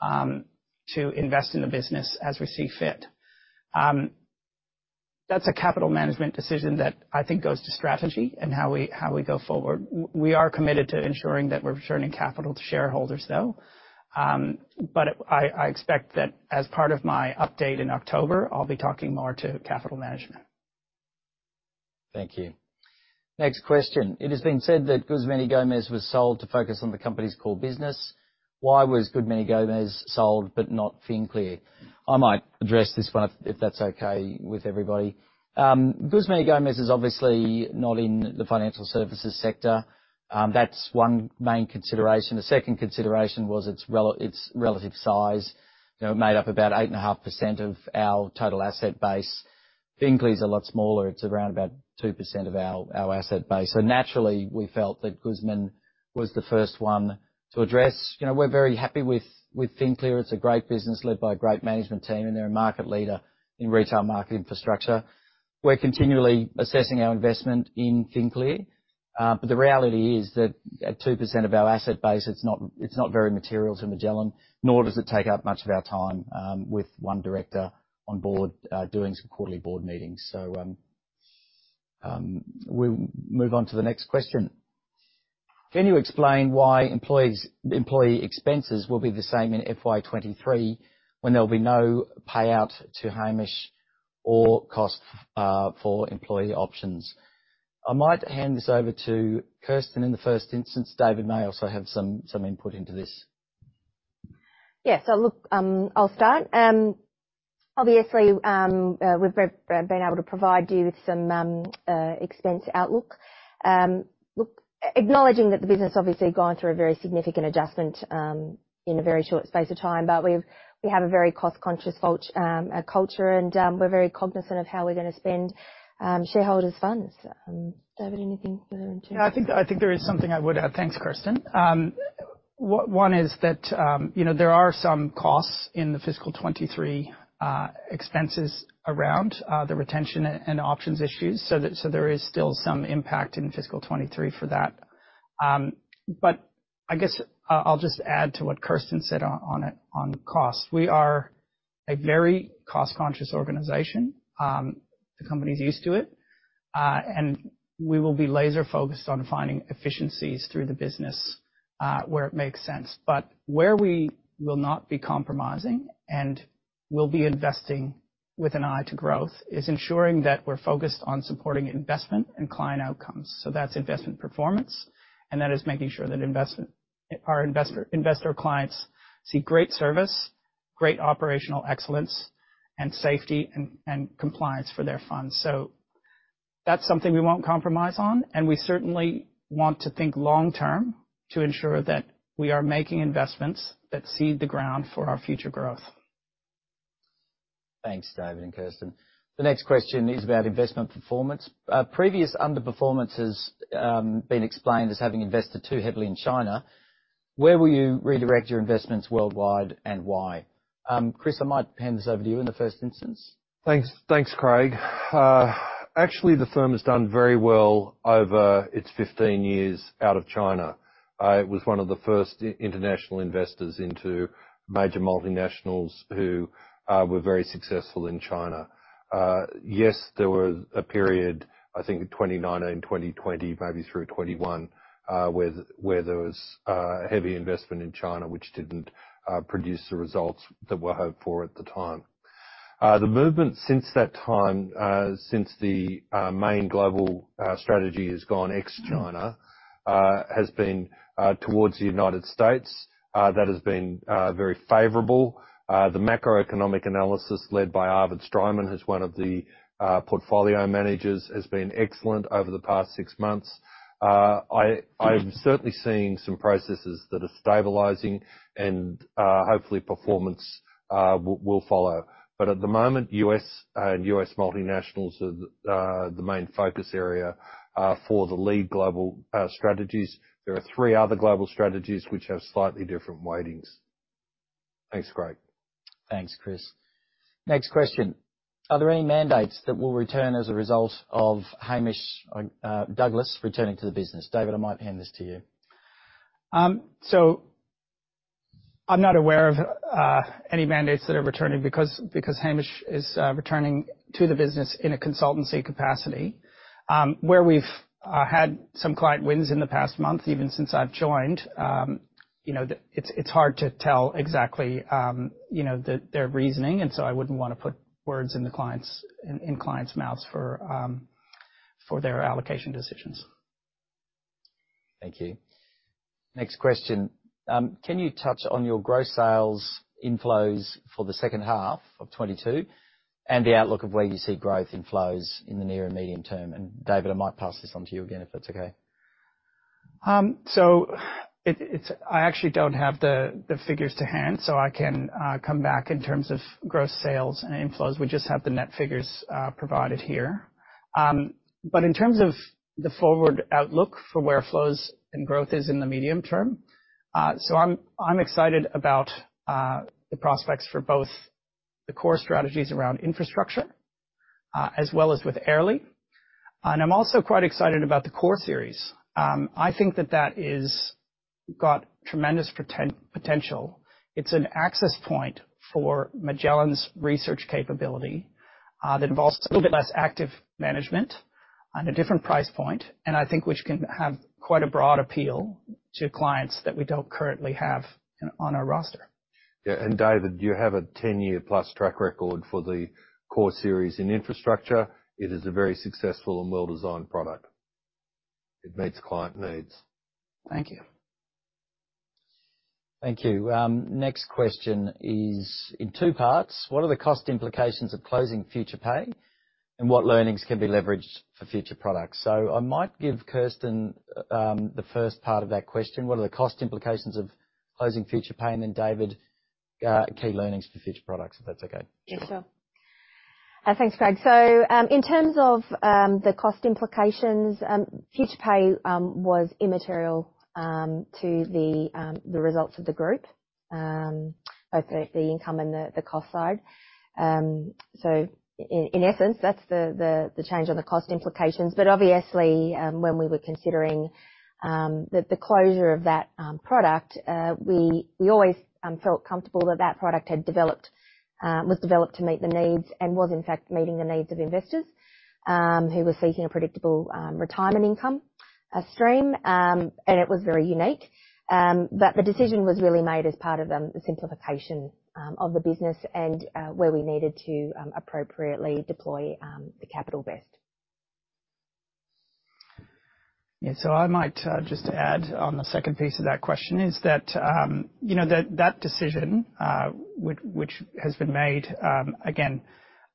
to invest in the business as we see fit. That's a capital management decision that I think goes to strategy and how we go forward. We are committed to ensuring that we're returning capital to shareholders, though. I expect that as part of my update in October, I'll be talking more to capital management. Thank you. Next question: it has been said that Guzman y Gomez was sold to focus on the company's core business. Why was Guzman y Gomez sold but not Finclear? I might address this one if that's okay with everybody. Guzman y Gomez is obviously not in the financial services sector. That's one main consideration. The second consideration was its relative size. You know, it made up about 8.5% of our total asset base. Finclear's a lot smaller. It's around about 2% of our asset base. So naturally, we felt that Guzman was the first one to address. You know, we're very happy with Finclear. It's a great business led by a great management team, and they're a market leader in retail market infrastructure. We're continually assessing our investment in Finclear, but the reality is that at 2% of our asset base, it's not very material to Magellan, nor does it take up much of our time, with one director on board, doing some quarterly board meetings. We'll move on to the next question. Can you explain why employee expenses will be the same in FY 2023 when there'll be no payout to Hamish or cost for employee options? I might hand this over to Kirsten in the first instance. David may also have some input into this. Yeah. Look, I'll start. Obviously, we've been very able to provide you with some expense outlook. Look, acknowledging that the business obviously gone through a very significant adjustment in a very short space of time, but we have a very cost-conscious culture, and we're very cognizant of how we're gonna spend shareholders' funds. David, anything that to. Yeah, I think there is something I would add. Thanks, Kirsten. One is that, you know, there are some costs in the fiscal 2023 expenses around the retention and options issues, so there is still some impact in fiscal 2023 for that. I guess I'll just add to what Kirsten said on it, on cost. We are a very cost-conscious organization. The company's used to it, and we will be laser-focused on finding efficiencies through the business, where it makes sense. Where we will not be compromising and will be investing with an eye to growth, is ensuring that we're focused on supporting investment and client outcomes. That's investment performance, and that is making sure that our investor clients see great service, great operational excellence, and safety, and compliance for their funds. That's something we won't compromise on, and we certainly want to think long term to ensure that we are making investments that seed the ground for our future growth. Thanks, David and Kirsten. The next question is about investment performance. Previous underperformance has been explained as having invested too heavily in China. Where will you redirect your investments worldwide, and why? Chris, I might hand this over to you in the first instance. Thanks. Thanks, Craig. Actually, the firm has done very well over its 15 years in China. It was one of the first international investors into major multinationals who were very successful in China. Yes, there was a period, I think 2019 and 2020, maybe through 2021, where there was heavy investment in China, which didn't produce the results that were hoped for at the time. The movement since that time, since the main global strategy has gone ex-China, has been towards the United States. That has been very favorable. The macroeconomic analysis led by Arvid Streimann, who's one of the portfolio managers, has been excellent over the past six months. I'm certainly seeing some processes that are stabilizing and hopefully performance will follow. At the moment, U.S. and U.S. multinationals are the main focus area for the lead global strategies. There are three other global strategies which have slightly different weightings. Thanks, Craig. Thanks, Chris. Next question: Are there any mandates that will return as a result of Hamish Douglas returning to the business? David, I might hand this to you. I'm not aware of any mandates that are returning because Hamish is returning to the business in a consultancy capacity. Where we've had some client wins in the past month, even since I've joined, you know, it's hard to tell exactly, you know, their reasoning, and so I wouldn't wanna put words in the clients' mouths for their allocation decisions. Thank you. Next question. Can you touch on your gross sales inflows for the second half of 2022 and the outlook of where you see growth inflows in the near and medium term? David, I might pass this on to you again, if that's okay. I actually don't have the figures to hand, so I can come back in terms of gross sales and inflows. We just have the net figures provided here. In terms of the forward outlook for where flows and growth is in the medium term, I'm excited about the prospects for both the core strategies around infrastructure, as well as with Airlie. I'm also quite excited about the Core Series. I think that is got tremendous potential. It's an access point for Magellan's research capability, that involves a little bit less active management on a different price point, and I think which can have quite a broad appeal to clients that we don't currently have on our roster. Yeah, David, you have a 10-year-plus track record for the Core Series in infrastructure. It is a very successful and well-designed product. It meets client needs. Thank you. Thank you. Next question is in two parts: What are the cost implications of closing FuturePay, and what learnings can be leveraged for future products? I might give Kirsten the first part of that question, what are the cost implications of closing FuturePay? David, key learnings for future products, if that's okay. Yes, sir. Thanks, Craig. In terms of the cost implications, FuturePay was immaterial to the results of the group, both the income and the cost side. In essence, that's the change on the cost implications. Obviously, when we were considering the closure of that product, we always felt comfortable that that product was developed to meet the needs and was, in fact, meeting the needs of investors who were seeking a predictable retirement income stream, and it was very unique. The decision was really made as part of the simplification of the business and where we needed to appropriately deploy the capital best. Yeah. I might just add on the second piece of that question, that you know, that decision which has been made, again,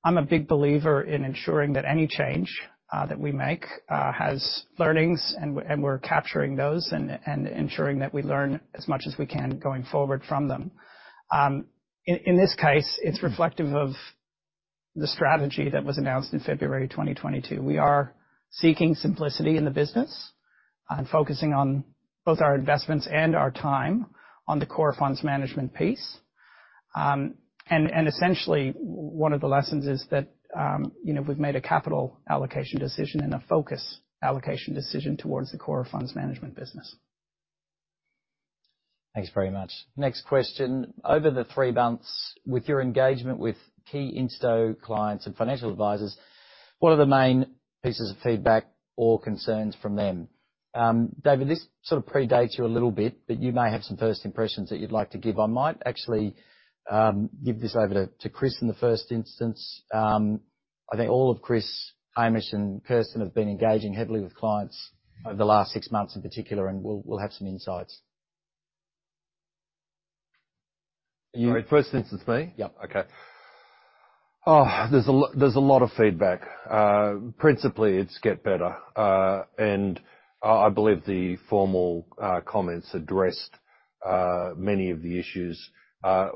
I'm a big believer in ensuring that any change that we make has learnings and we're capturing those and ensuring that we learn as much as we can going forward from them. In this case, it's reflective of the strategy that was announced in February 2022. We are seeking simplicity in the business and focusing on both our investments and our time on the core funds management piece. Essentially, one of the lessons is that, you know, we've made a capital allocation decision and a focus allocation decision towards the core funds management business. Thanks very much. Next question. Over the three months, with your engagement with key insto clients and financial advisors, what are the main pieces of feedback or concerns from them? David, this sort of predates you a little bit, but you may have some first impressions that you'd like to give. I might actually give this over to Chris in the first instance. I think all of Chris, Hamish, and Kirsten have been engaging heavily with clients over the last six months in particular, and will have some insights. Are you First instance me? Yep. Okay. Oh, there's a lot of feedback. Principally, it's to get better. I believe the formal comments addressed many of the issues.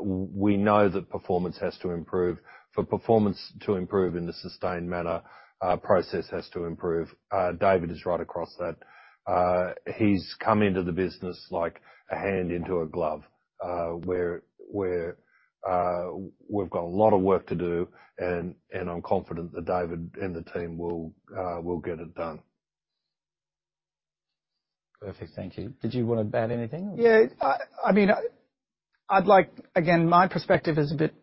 We know that performance has to improve. For performance to improve in a sustained manner, process has to improve. David is right across that. He's come into the business like a hand in a glove, we've got a lot of work to do, and I'm confident that David and the team will get it done. Perfect. Thank you. Did you wanna add anything? I mean, again, my perspective is a bit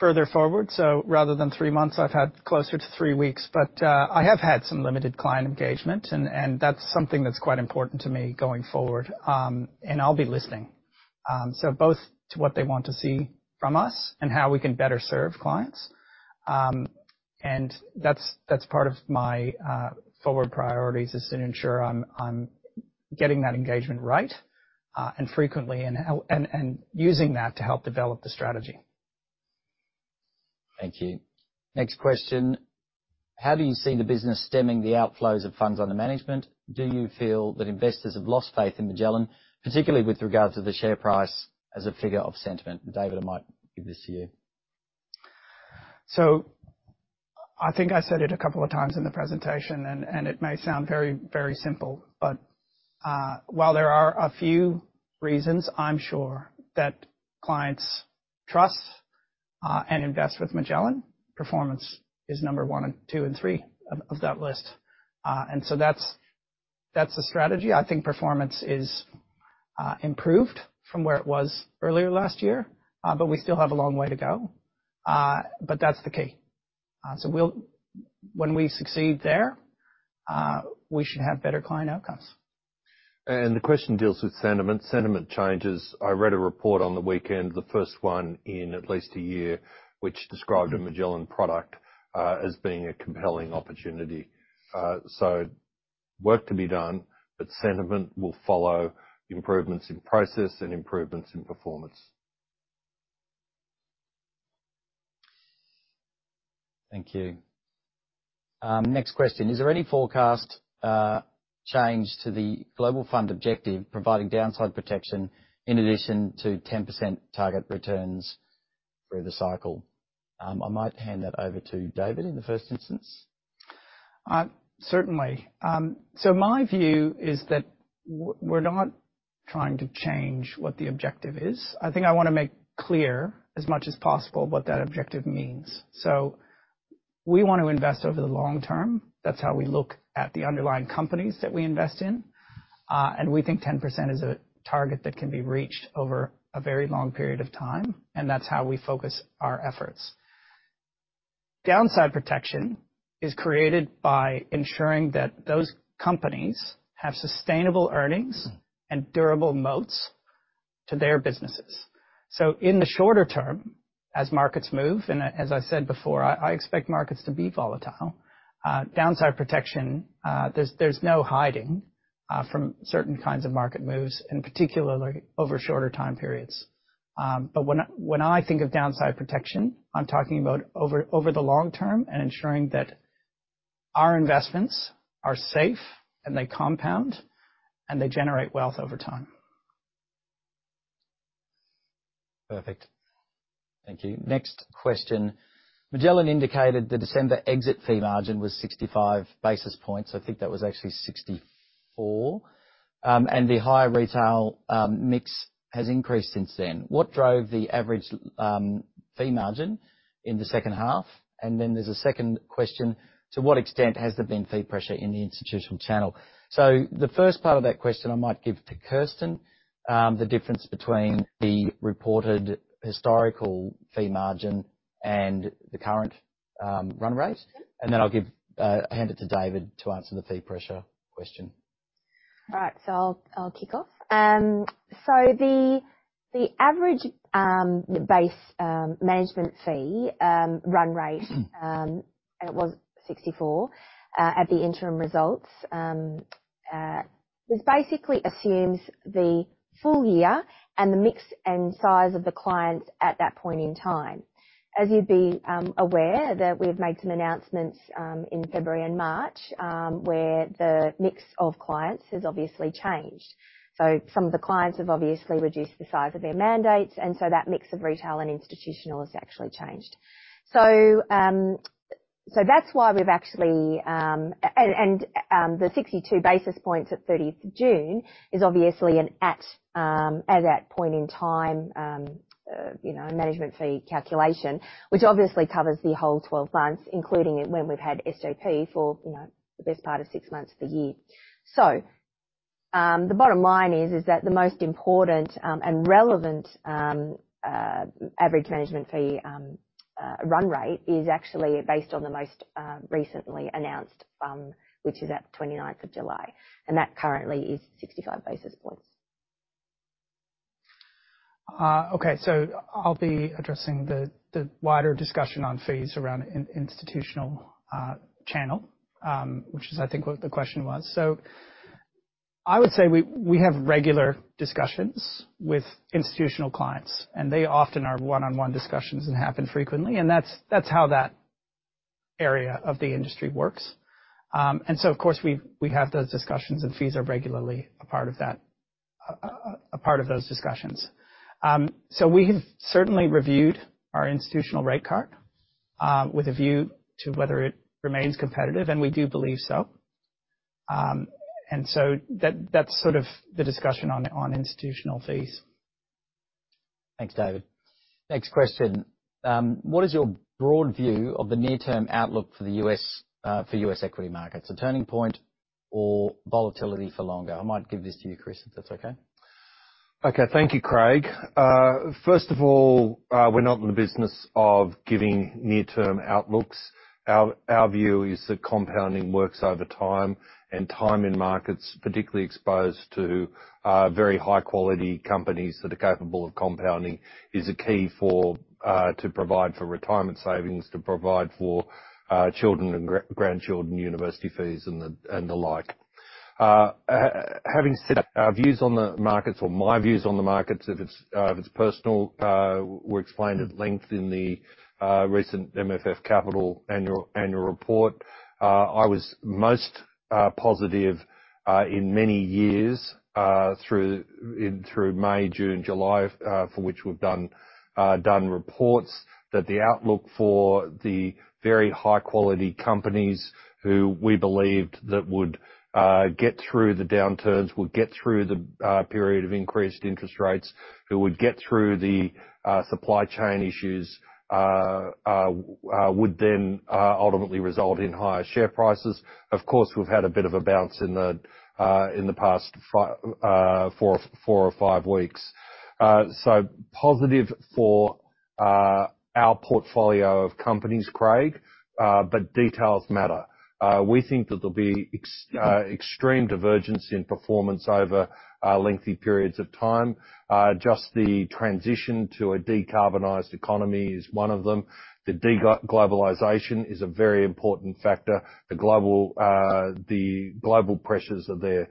further forward. Rather than three months, I've had closer to three weeks. I have had some limited client engagement, and that's something that's quite important to me going forward. I'll be listening, so both to what they want to see from us and how we can better serve clients. That's part of my forward priorities, is to ensure I'm getting that engagement right, and frequently and using that to help develop the strategy. Thank you. Next question. How do you see the business stemming the outflows of funds under management? Do you feel that investors have lost faith in Magellan, particularly with regards to the share price as a figure of sentiment? David, I might give this to you. I think I said it a couple of times in the presentation, and it may sound very simple, but while there are a few reasons, I'm sure, that clients trust and invest with Magellan, performance is number one and two and three of that list. That's the strategy. I think performance is improved from where it was earlier last year, but we still have a long way to go. But that's the key. When we succeed there, we should have better client outcomes. The question deals with sentiment. Sentiment changes. I read a report on the weekend, the first one in at least a year, which described a Magellan product as being a compelling opportunity. Work to be done, but sentiment will follow improvements in process and improvements in performance. Thank you. Next question. Is there any forecast change to the global fund objective providing downside protection in addition to 10% target returns through the cycle? I might hand that over to David in the first instance. Certainly. My view is that we're not trying to change what the objective is. I think I wanna make clear as much as possible what that objective means. We want to invest over the long term. That's how we look at the underlying companies that we invest in. We think 10% is a target that can be reached over a very long period of time, and that's how we focus our efforts. Downside protection is created by ensuring that those companies have sustainable earnings and durable moats to their businesses. In the shorter term, as markets move, and as I said before, I expect markets to be volatile. Downside protection, there's no hiding from certain kinds of market moves and particularly over shorter time periods. When I think of downside protection, I'm talking about over the long term and ensuring that our investments are safe and they compound and they generate wealth over time. Perfect. Thank you. Next question. Magellan indicated the December exit fee margin was 65 basis points. I think that was actually 64. The higher retail mix has increased since then. What drove the average fee margin in the second half? There's a second question. To what extent has there been fee pressure in the institutional channel? The first part of that question I might give to Kirsten, the difference between the reported historical fee margin and the current run rate. I'll hand it to David to answer the fee pressure question. All right, I'll kick off. The average base management fee run rate it was 64 at the interim results. This basically assumes the full year and the mix and size of the clients at that point in time. As you'd be aware, that we've made some announcements in February and March where the mix of clients has obviously changed. Some of the clients have obviously reduced the size of their mandates, and so that mix of retail and institutional has actually changed. That's why we've actually the 62 basis points at 30th of June is obviously an as at point in time, you know, management fee calculation, which obviously covers the whole 12 months, including it when we've had SJP for, you know, the best part of 6 months of the year. The bottom line is that the most important and relevant average management fee run rate is actually based on the most recently announced FUM, which is at 29th of July, and that currently is 65 basis points. Okay, I'll be addressing the wider discussion on fees around institutional channel, which I think is what the question was. I would say we have regular discussions with institutional clients, and they often are one-on-one discussions and happen frequently, and that's how that area of the industry works. Of course, we have those discussions, and fees are regularly a part of that, a part of those discussions. We have certainly reviewed our institutional rate card with a view to whether it remains competitive, and we do believe so. That's sort of the discussion on institutional fees. Thanks, David. Next question. What is your broad view of the near-term outlook for the U.S. equity markets? A turning point or volatility for longer? I might give this to you, Chris, if that's okay. Okay. Thank you, Craig. First of all, we're not in the business of giving near-term outlooks. Our view is that compounding works over time, and time in markets, particularly exposed to very high quality companies that are capable of compounding, is a key for to provide for retirement savings, to provide for children and grandchildren university fees and the like. Having said our views on the markets or my views on the markets, if it's personal, were explained at length in the recent MFF Capital Annual Report, I was most positive in many years through May, June, July, for which we've done reports that the outlook for the very high quality companies who we believed that would get through the downturns, would get through the period of increased interest rates, who would get through the supply chain issues, would then ultimately result in higher share prices. Of course, we've had a bit of a bounce in the past 4 or 5 weeks. So positive for our portfolio of companies, Craig, but details matter. We think that there'll be extreme divergence in performance over lengthy periods of time. Just the transition to a decarbonized economy is one of them. Deglobalization is a very important factor. The global pressures are there.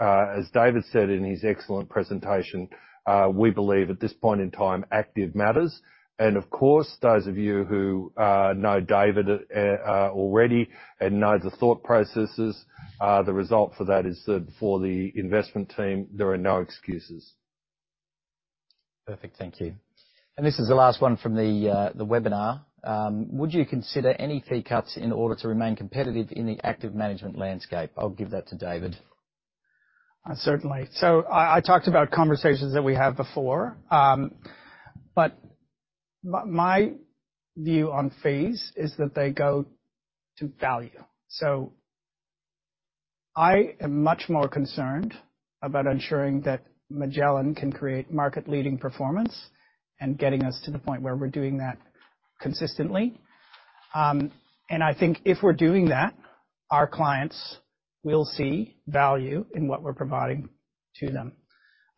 As David said in his excellent presentation, we believe at this point in time, active matters. Of course, those of you who know David already and know the thought processes, the result for that is that for the investment team, there are no excuses. Perfect. Thank you. This is the last one from the webinar. Would you consider any fee cuts in order to remain competitive in the active management landscape? I'll give that to David. Certainly. I talked about conversations that we had before, but my view on fees is that they go to value. I am much more concerned about ensuring that Magellan can create market leading performance and getting us to the point where we're doing that consistently. I think if we're doing that, our clients will see value in what we're providing to them.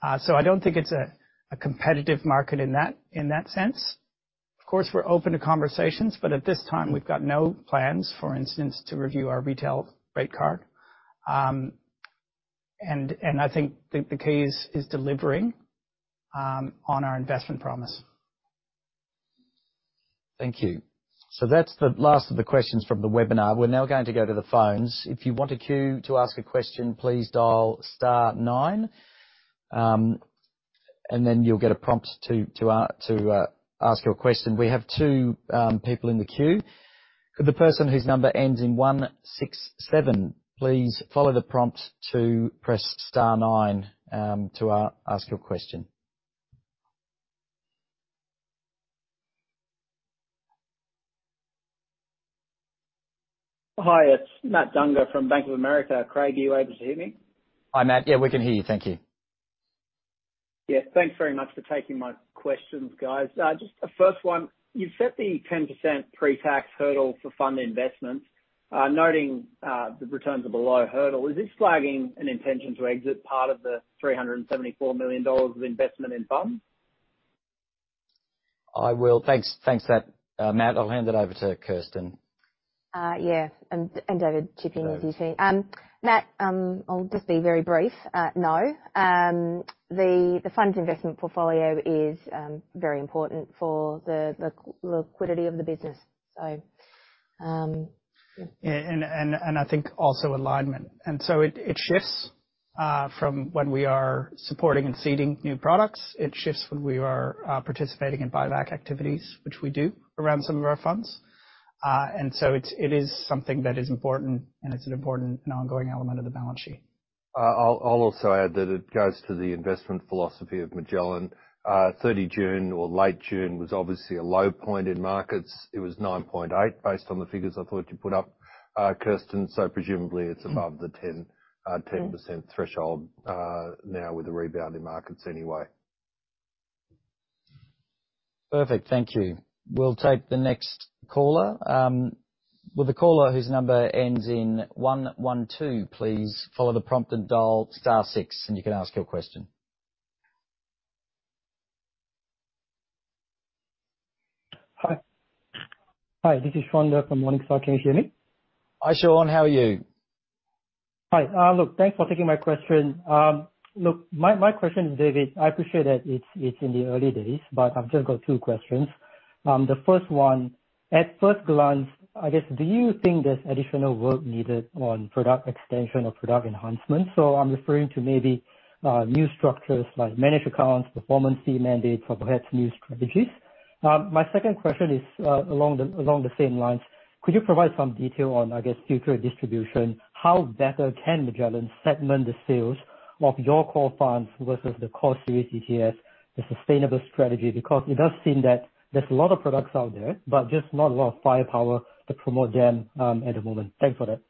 I don't think it's a competitive market in that sense. Of course, we're open to conversations, but at this time we've got no plans, for instance, to review our retail rate card. I think the key is delivering on our investment promise. Thank you. That's the last of the questions from the webinar. We're now going to go to the phones. If you want to queue to ask a question, please dial *nine. Then you'll get a prompt to ask your question. We have two people in the queue. Could the person whose number ends in 167, please follow the prompt to press star nine to ask your question. Hi, it's Matt Dunger from Bank of America. Craig, are you able to hear me? Hi, Matt. Yeah, we can hear you. Thank you. Yeah, thanks very much for taking my questions, guys. Just a first one. You've set the 10% pre-tax hurdle for fund investments, noting the returns are below hurdle. Is this flagging an intention to exit part of the 374 million dollars of investment in funds? I will. Thanks. Thanks for that, Matt. I'll hand it over to Kirsten. David chipping in as you see. Matt, I'll just be very brief. No. The funds investment portfolio is very important for the liquidity of the business. Yeah. I think also alignment. It shifts from when we are supporting and seeding new products. It shifts when we are participating in buyback activities, which we do around some of our funds. It is something that is important, and it is an important and ongoing element of the balance sheet. I'll also add that it goes to the investment philosophy of Magellan. 30 June or late June was obviously a low point in markets. It was 9.8 based on the figures I thought you put up, Kirsten. Presumably it's above the 10% threshold now with the rebound in markets anyway. Perfect. Thank you. We'll take the next caller. Will the caller whose number ends in 112, please follow the prompt and dial star six, and you can ask your question. Hi. Hi, this is Shaun Ler from Morningstar. Can you hear me? Hi, Shaun. How are you? Hi. Look, thanks for taking my question. Look, my question, David, I appreciate that it's in the early days, but I've just got two questions. The first one, at first glance, I guess, do you think there's additional work needed on product extension or product enhancement? So I'm referring to maybe new structures like managed accounts, performance fee mandates, or perhaps new strategies. My second question is along the same lines. Could you provide some detail on, I guess, future distribution? How better can Magellan segment the sales of your core funds versus the Core Series ETFs, the sustainable strategy? Because it does seem that there's a lot of products out there, but just not a lot of firepower to promote them at the moment. Thanks for that.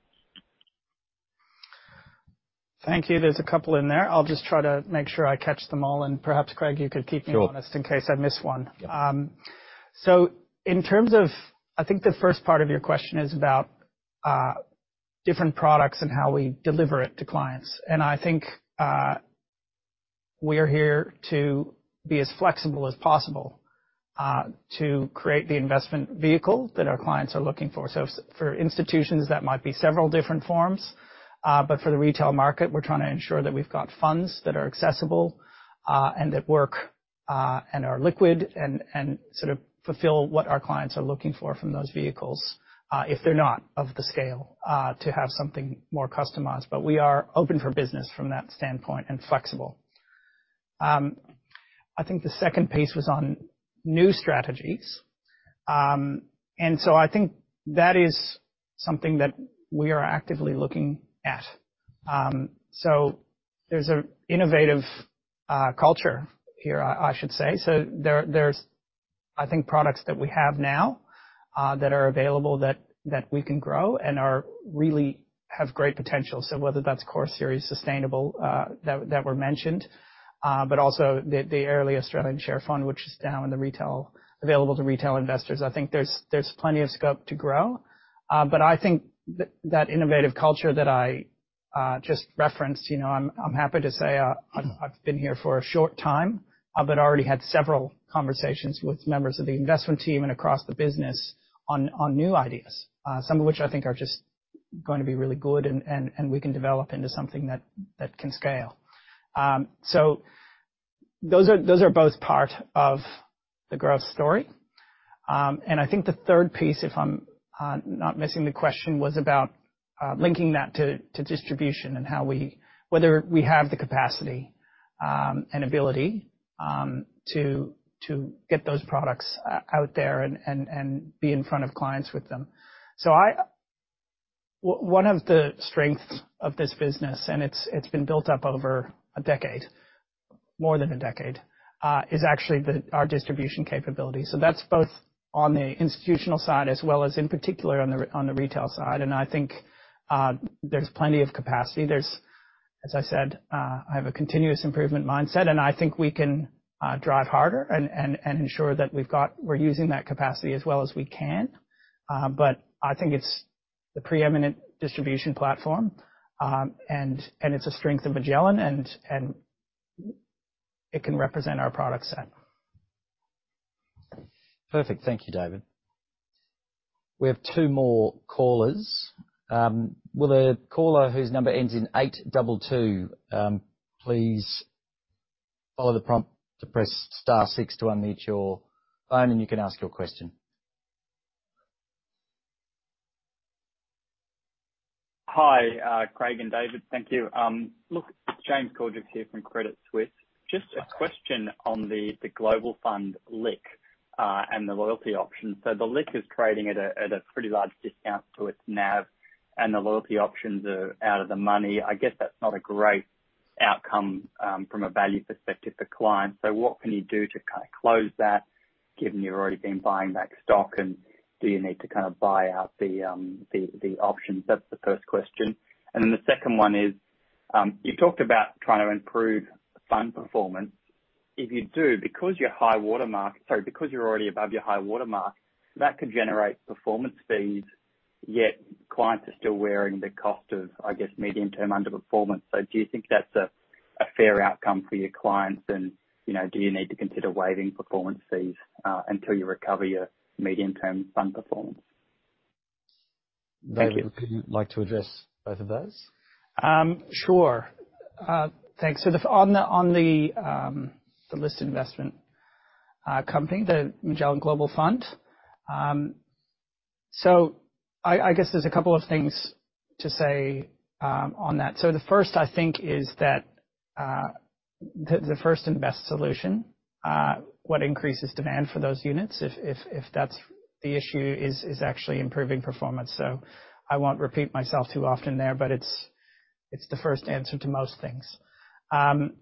Thank you. There's a couple in there. I'll just try to make sure I catch them all, and perhaps, Craig, you could keep me- Sure. Honest in case I miss one. In terms of, I think the first part of your question is about different products and how we deliver it to clients. I think we're here to be as flexible as possible to create the investment vehicle that our clients are looking for. For institutions, that might be several different forms. For the retail market, we're trying to ensure that we've got funds that are accessible and that work and are liquid and sort of fulfill what our clients are looking for from those vehicles if they're not of the scale to have something more customized. We are open for business from that standpoint, and flexible. I think the second piece was on new strategies. I think that is something that we are actively looking at. There's an innovative culture here, I should say. There's, I think, products that we have now that are available that we can grow and really have great potential. Whether that's Core Series Sustainable that were mentioned, but also the Airlie Australian Share Fund, which is now in the retail, available to retail investors. I think there's plenty of scope to grow. I think that innovative culture that I just referenced, you know, I'm happy to say, I've been here for a short time, but already had several conversations with members of the investment team and across the business on new ideas, some of which I think are just going to be really good and we can develop into something that can scale. Those are both part of the growth story. I think the third piece, if I'm not missing the question, was about linking that to distribution and whether we have the capacity and ability to get those products out there and be in front of clients with them. One of the strengths of this business, and it's been built up over a decade, more than a decade, is actually our distribution capability. That's both on the institutional side as well as in particular on the retail side. I think there's plenty of capacity. There's, as I said, I have a continuous improvement mindset, and I think we can drive harder and ensure that we've got, we're using that capacity as well as we can. But I think it's the preeminent distribution platform. It's a strength of Magellan and it can represent our product set. Perfect. Thank you, David. We have two more callers. Will the caller whose number ends in 822, please follow the prompt to press *six to unmute your phone, and you can ask your question. Hi, Craig and David. Thank you. Look, it's James Cordukes here from Credit Suisse. Just a question on the global fund LIC and the loyalty options. The LIC is trading at a pretty large discount to its NAV, and the loyalty options are out of the money. I guess that's not a great. Outcome from a value perspective for clients. What can you do to kind of close that, given you've already been buying back stock, and do you need to kind of buy out the options? That's the first question. The second one is, you talked about trying to improve fund performance. If you do, because you're already above your high water mark, that could generate performance fees, yet clients are still wearing the cost of, I guess, medium-term underperformance. Do you think that's a fair outcome for your clients, and, you know, do you need to consider waiving performance fees until you recover your medium-term fund performance? David, would you like to address both of those? Sure. Thanks. On the listed investment company, the Magellan Global Fund. I guess there's a couple of things to say on that. The first, I think, is that the first and best solution what increases demand for those units if that's the issue is actually improving performance. I won't repeat myself too often there, but it's the first answer to most things. I'll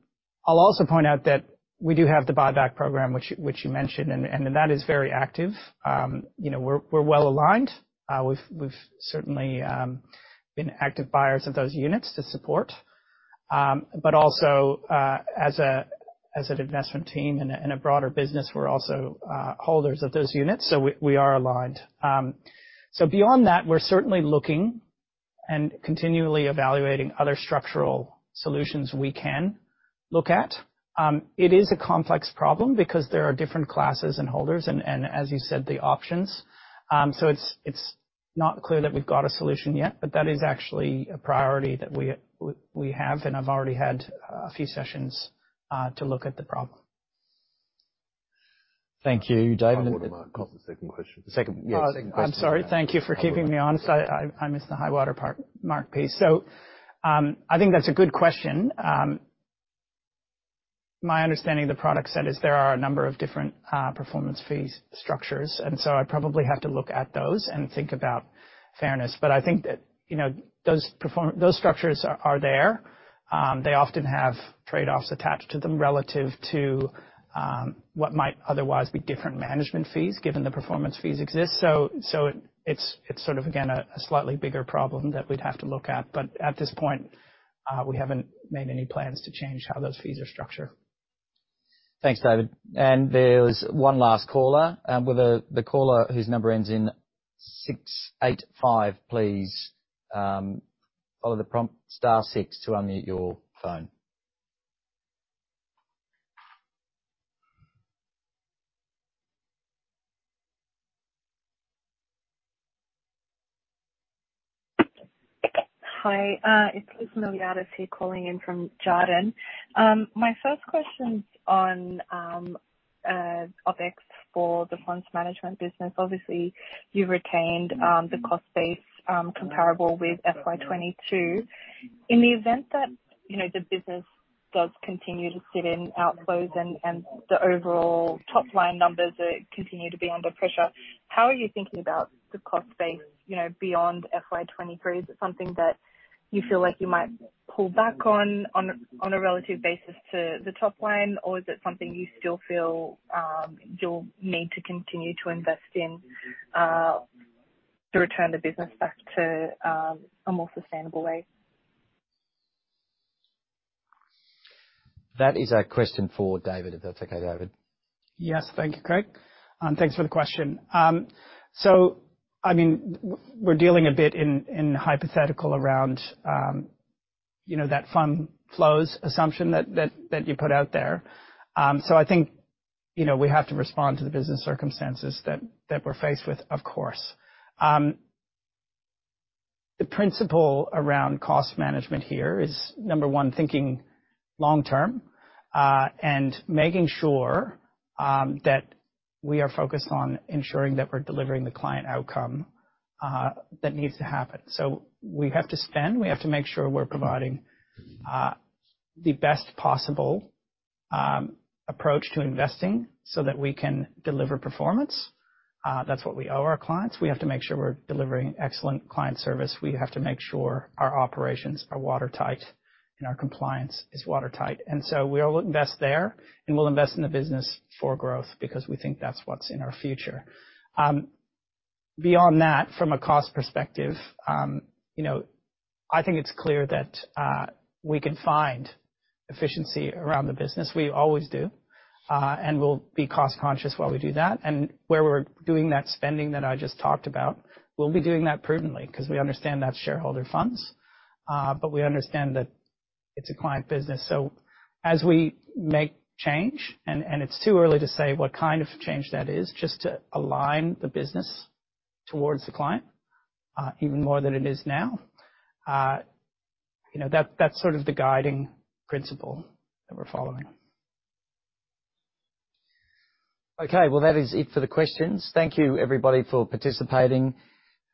also point out that we do have the buyback program, which you mentioned, and that is very active. You know, we're well-aligned. We've certainly been active buyers of those units to support. Also, as an investment team and a broader business, we're also holders of those units, so we are aligned. Beyond that, we're certainly looking and continually evaluating other structural solutions we can look at. It is a complex problem because there are different classes and holders and, as you said, the options. It's not clear that we've got a solution yet, but that is actually a priority that we have, and I've already had a few sessions to look at the problem. Thank you, David. High water mark was the second question. Yes. Oh, I'm sorry. Thank you for keeping me honest. I missed the high water mark piece. I think that's a good question. My understanding of the product set is there are a number of different performance fee structures, and I probably have to look at those and think about fairness. I think that, you know, those structures are there. They often have trade-offs attached to them relative to what might otherwise be different management fees, given the performance fees exist. It's sort of, again, a slightly bigger problem that we'd have to look at. At this point, we haven't made any plans to change how those fees are structured. Thanks, David. There was one last caller. Will the caller whose number ends in 685 please follow the prompt *six to unmute your phone. Hi. It's Lisa Miliadis here, calling in from Jarden. My first question's on OpEx for the funds management business. Obviously, you've retained the cost base comparable with FY 2022. In the event that, you know, the business does continue to sit in outflows and the overall top-line numbers continue to be under pressure, how are you thinking about the cost base, you know, beyond FY 2023? Is it something that you feel like you might pull back on a relative basis to the top line, or is it something you still feel you'll need to continue to invest in to return the business back to a more sustainable way? That is a question for David, if that's okay, David. Yes. Thank you, Craig. Thanks for the question. I mean, we're dealing a bit in hypothetical around, you know, that fund flows assumption that you put out there. I think, you know, we have to respond to the business circumstances that we're faced with, of course. The principle around cost management here is, number one, thinking long term, and making sure that we are focused on ensuring that we're delivering the client outcome that needs to happen. We have to spend, we have to make sure we're providing the best possible approach to investing so that we can deliver performance. That's what we owe our clients. We have to make sure we're delivering excellent client service. We have to make sure our operations are watertight and our compliance is watertight. We'll invest there, and we'll invest in the business for growth because we think that's what's in our future. Beyond that, from a cost perspective, you know, I think it's clear that we can find efficiency around the business. We always do, and we'll be cost-conscious while we do that. Where we're doing that spending that I just talked about, we'll be doing that prudently 'cause we understand that's shareholder funds, but we understand that it's a client business. As we make change, it's too early to say what kind of change that is, just to align the business towards the client, even more than it is now, you know, that's sort of the guiding principle that we're following. Okay. Well, that is it for the questions. Thank you, everybody, for participating.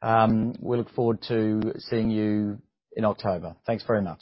We look forward to seeing you in October. Thanks very much.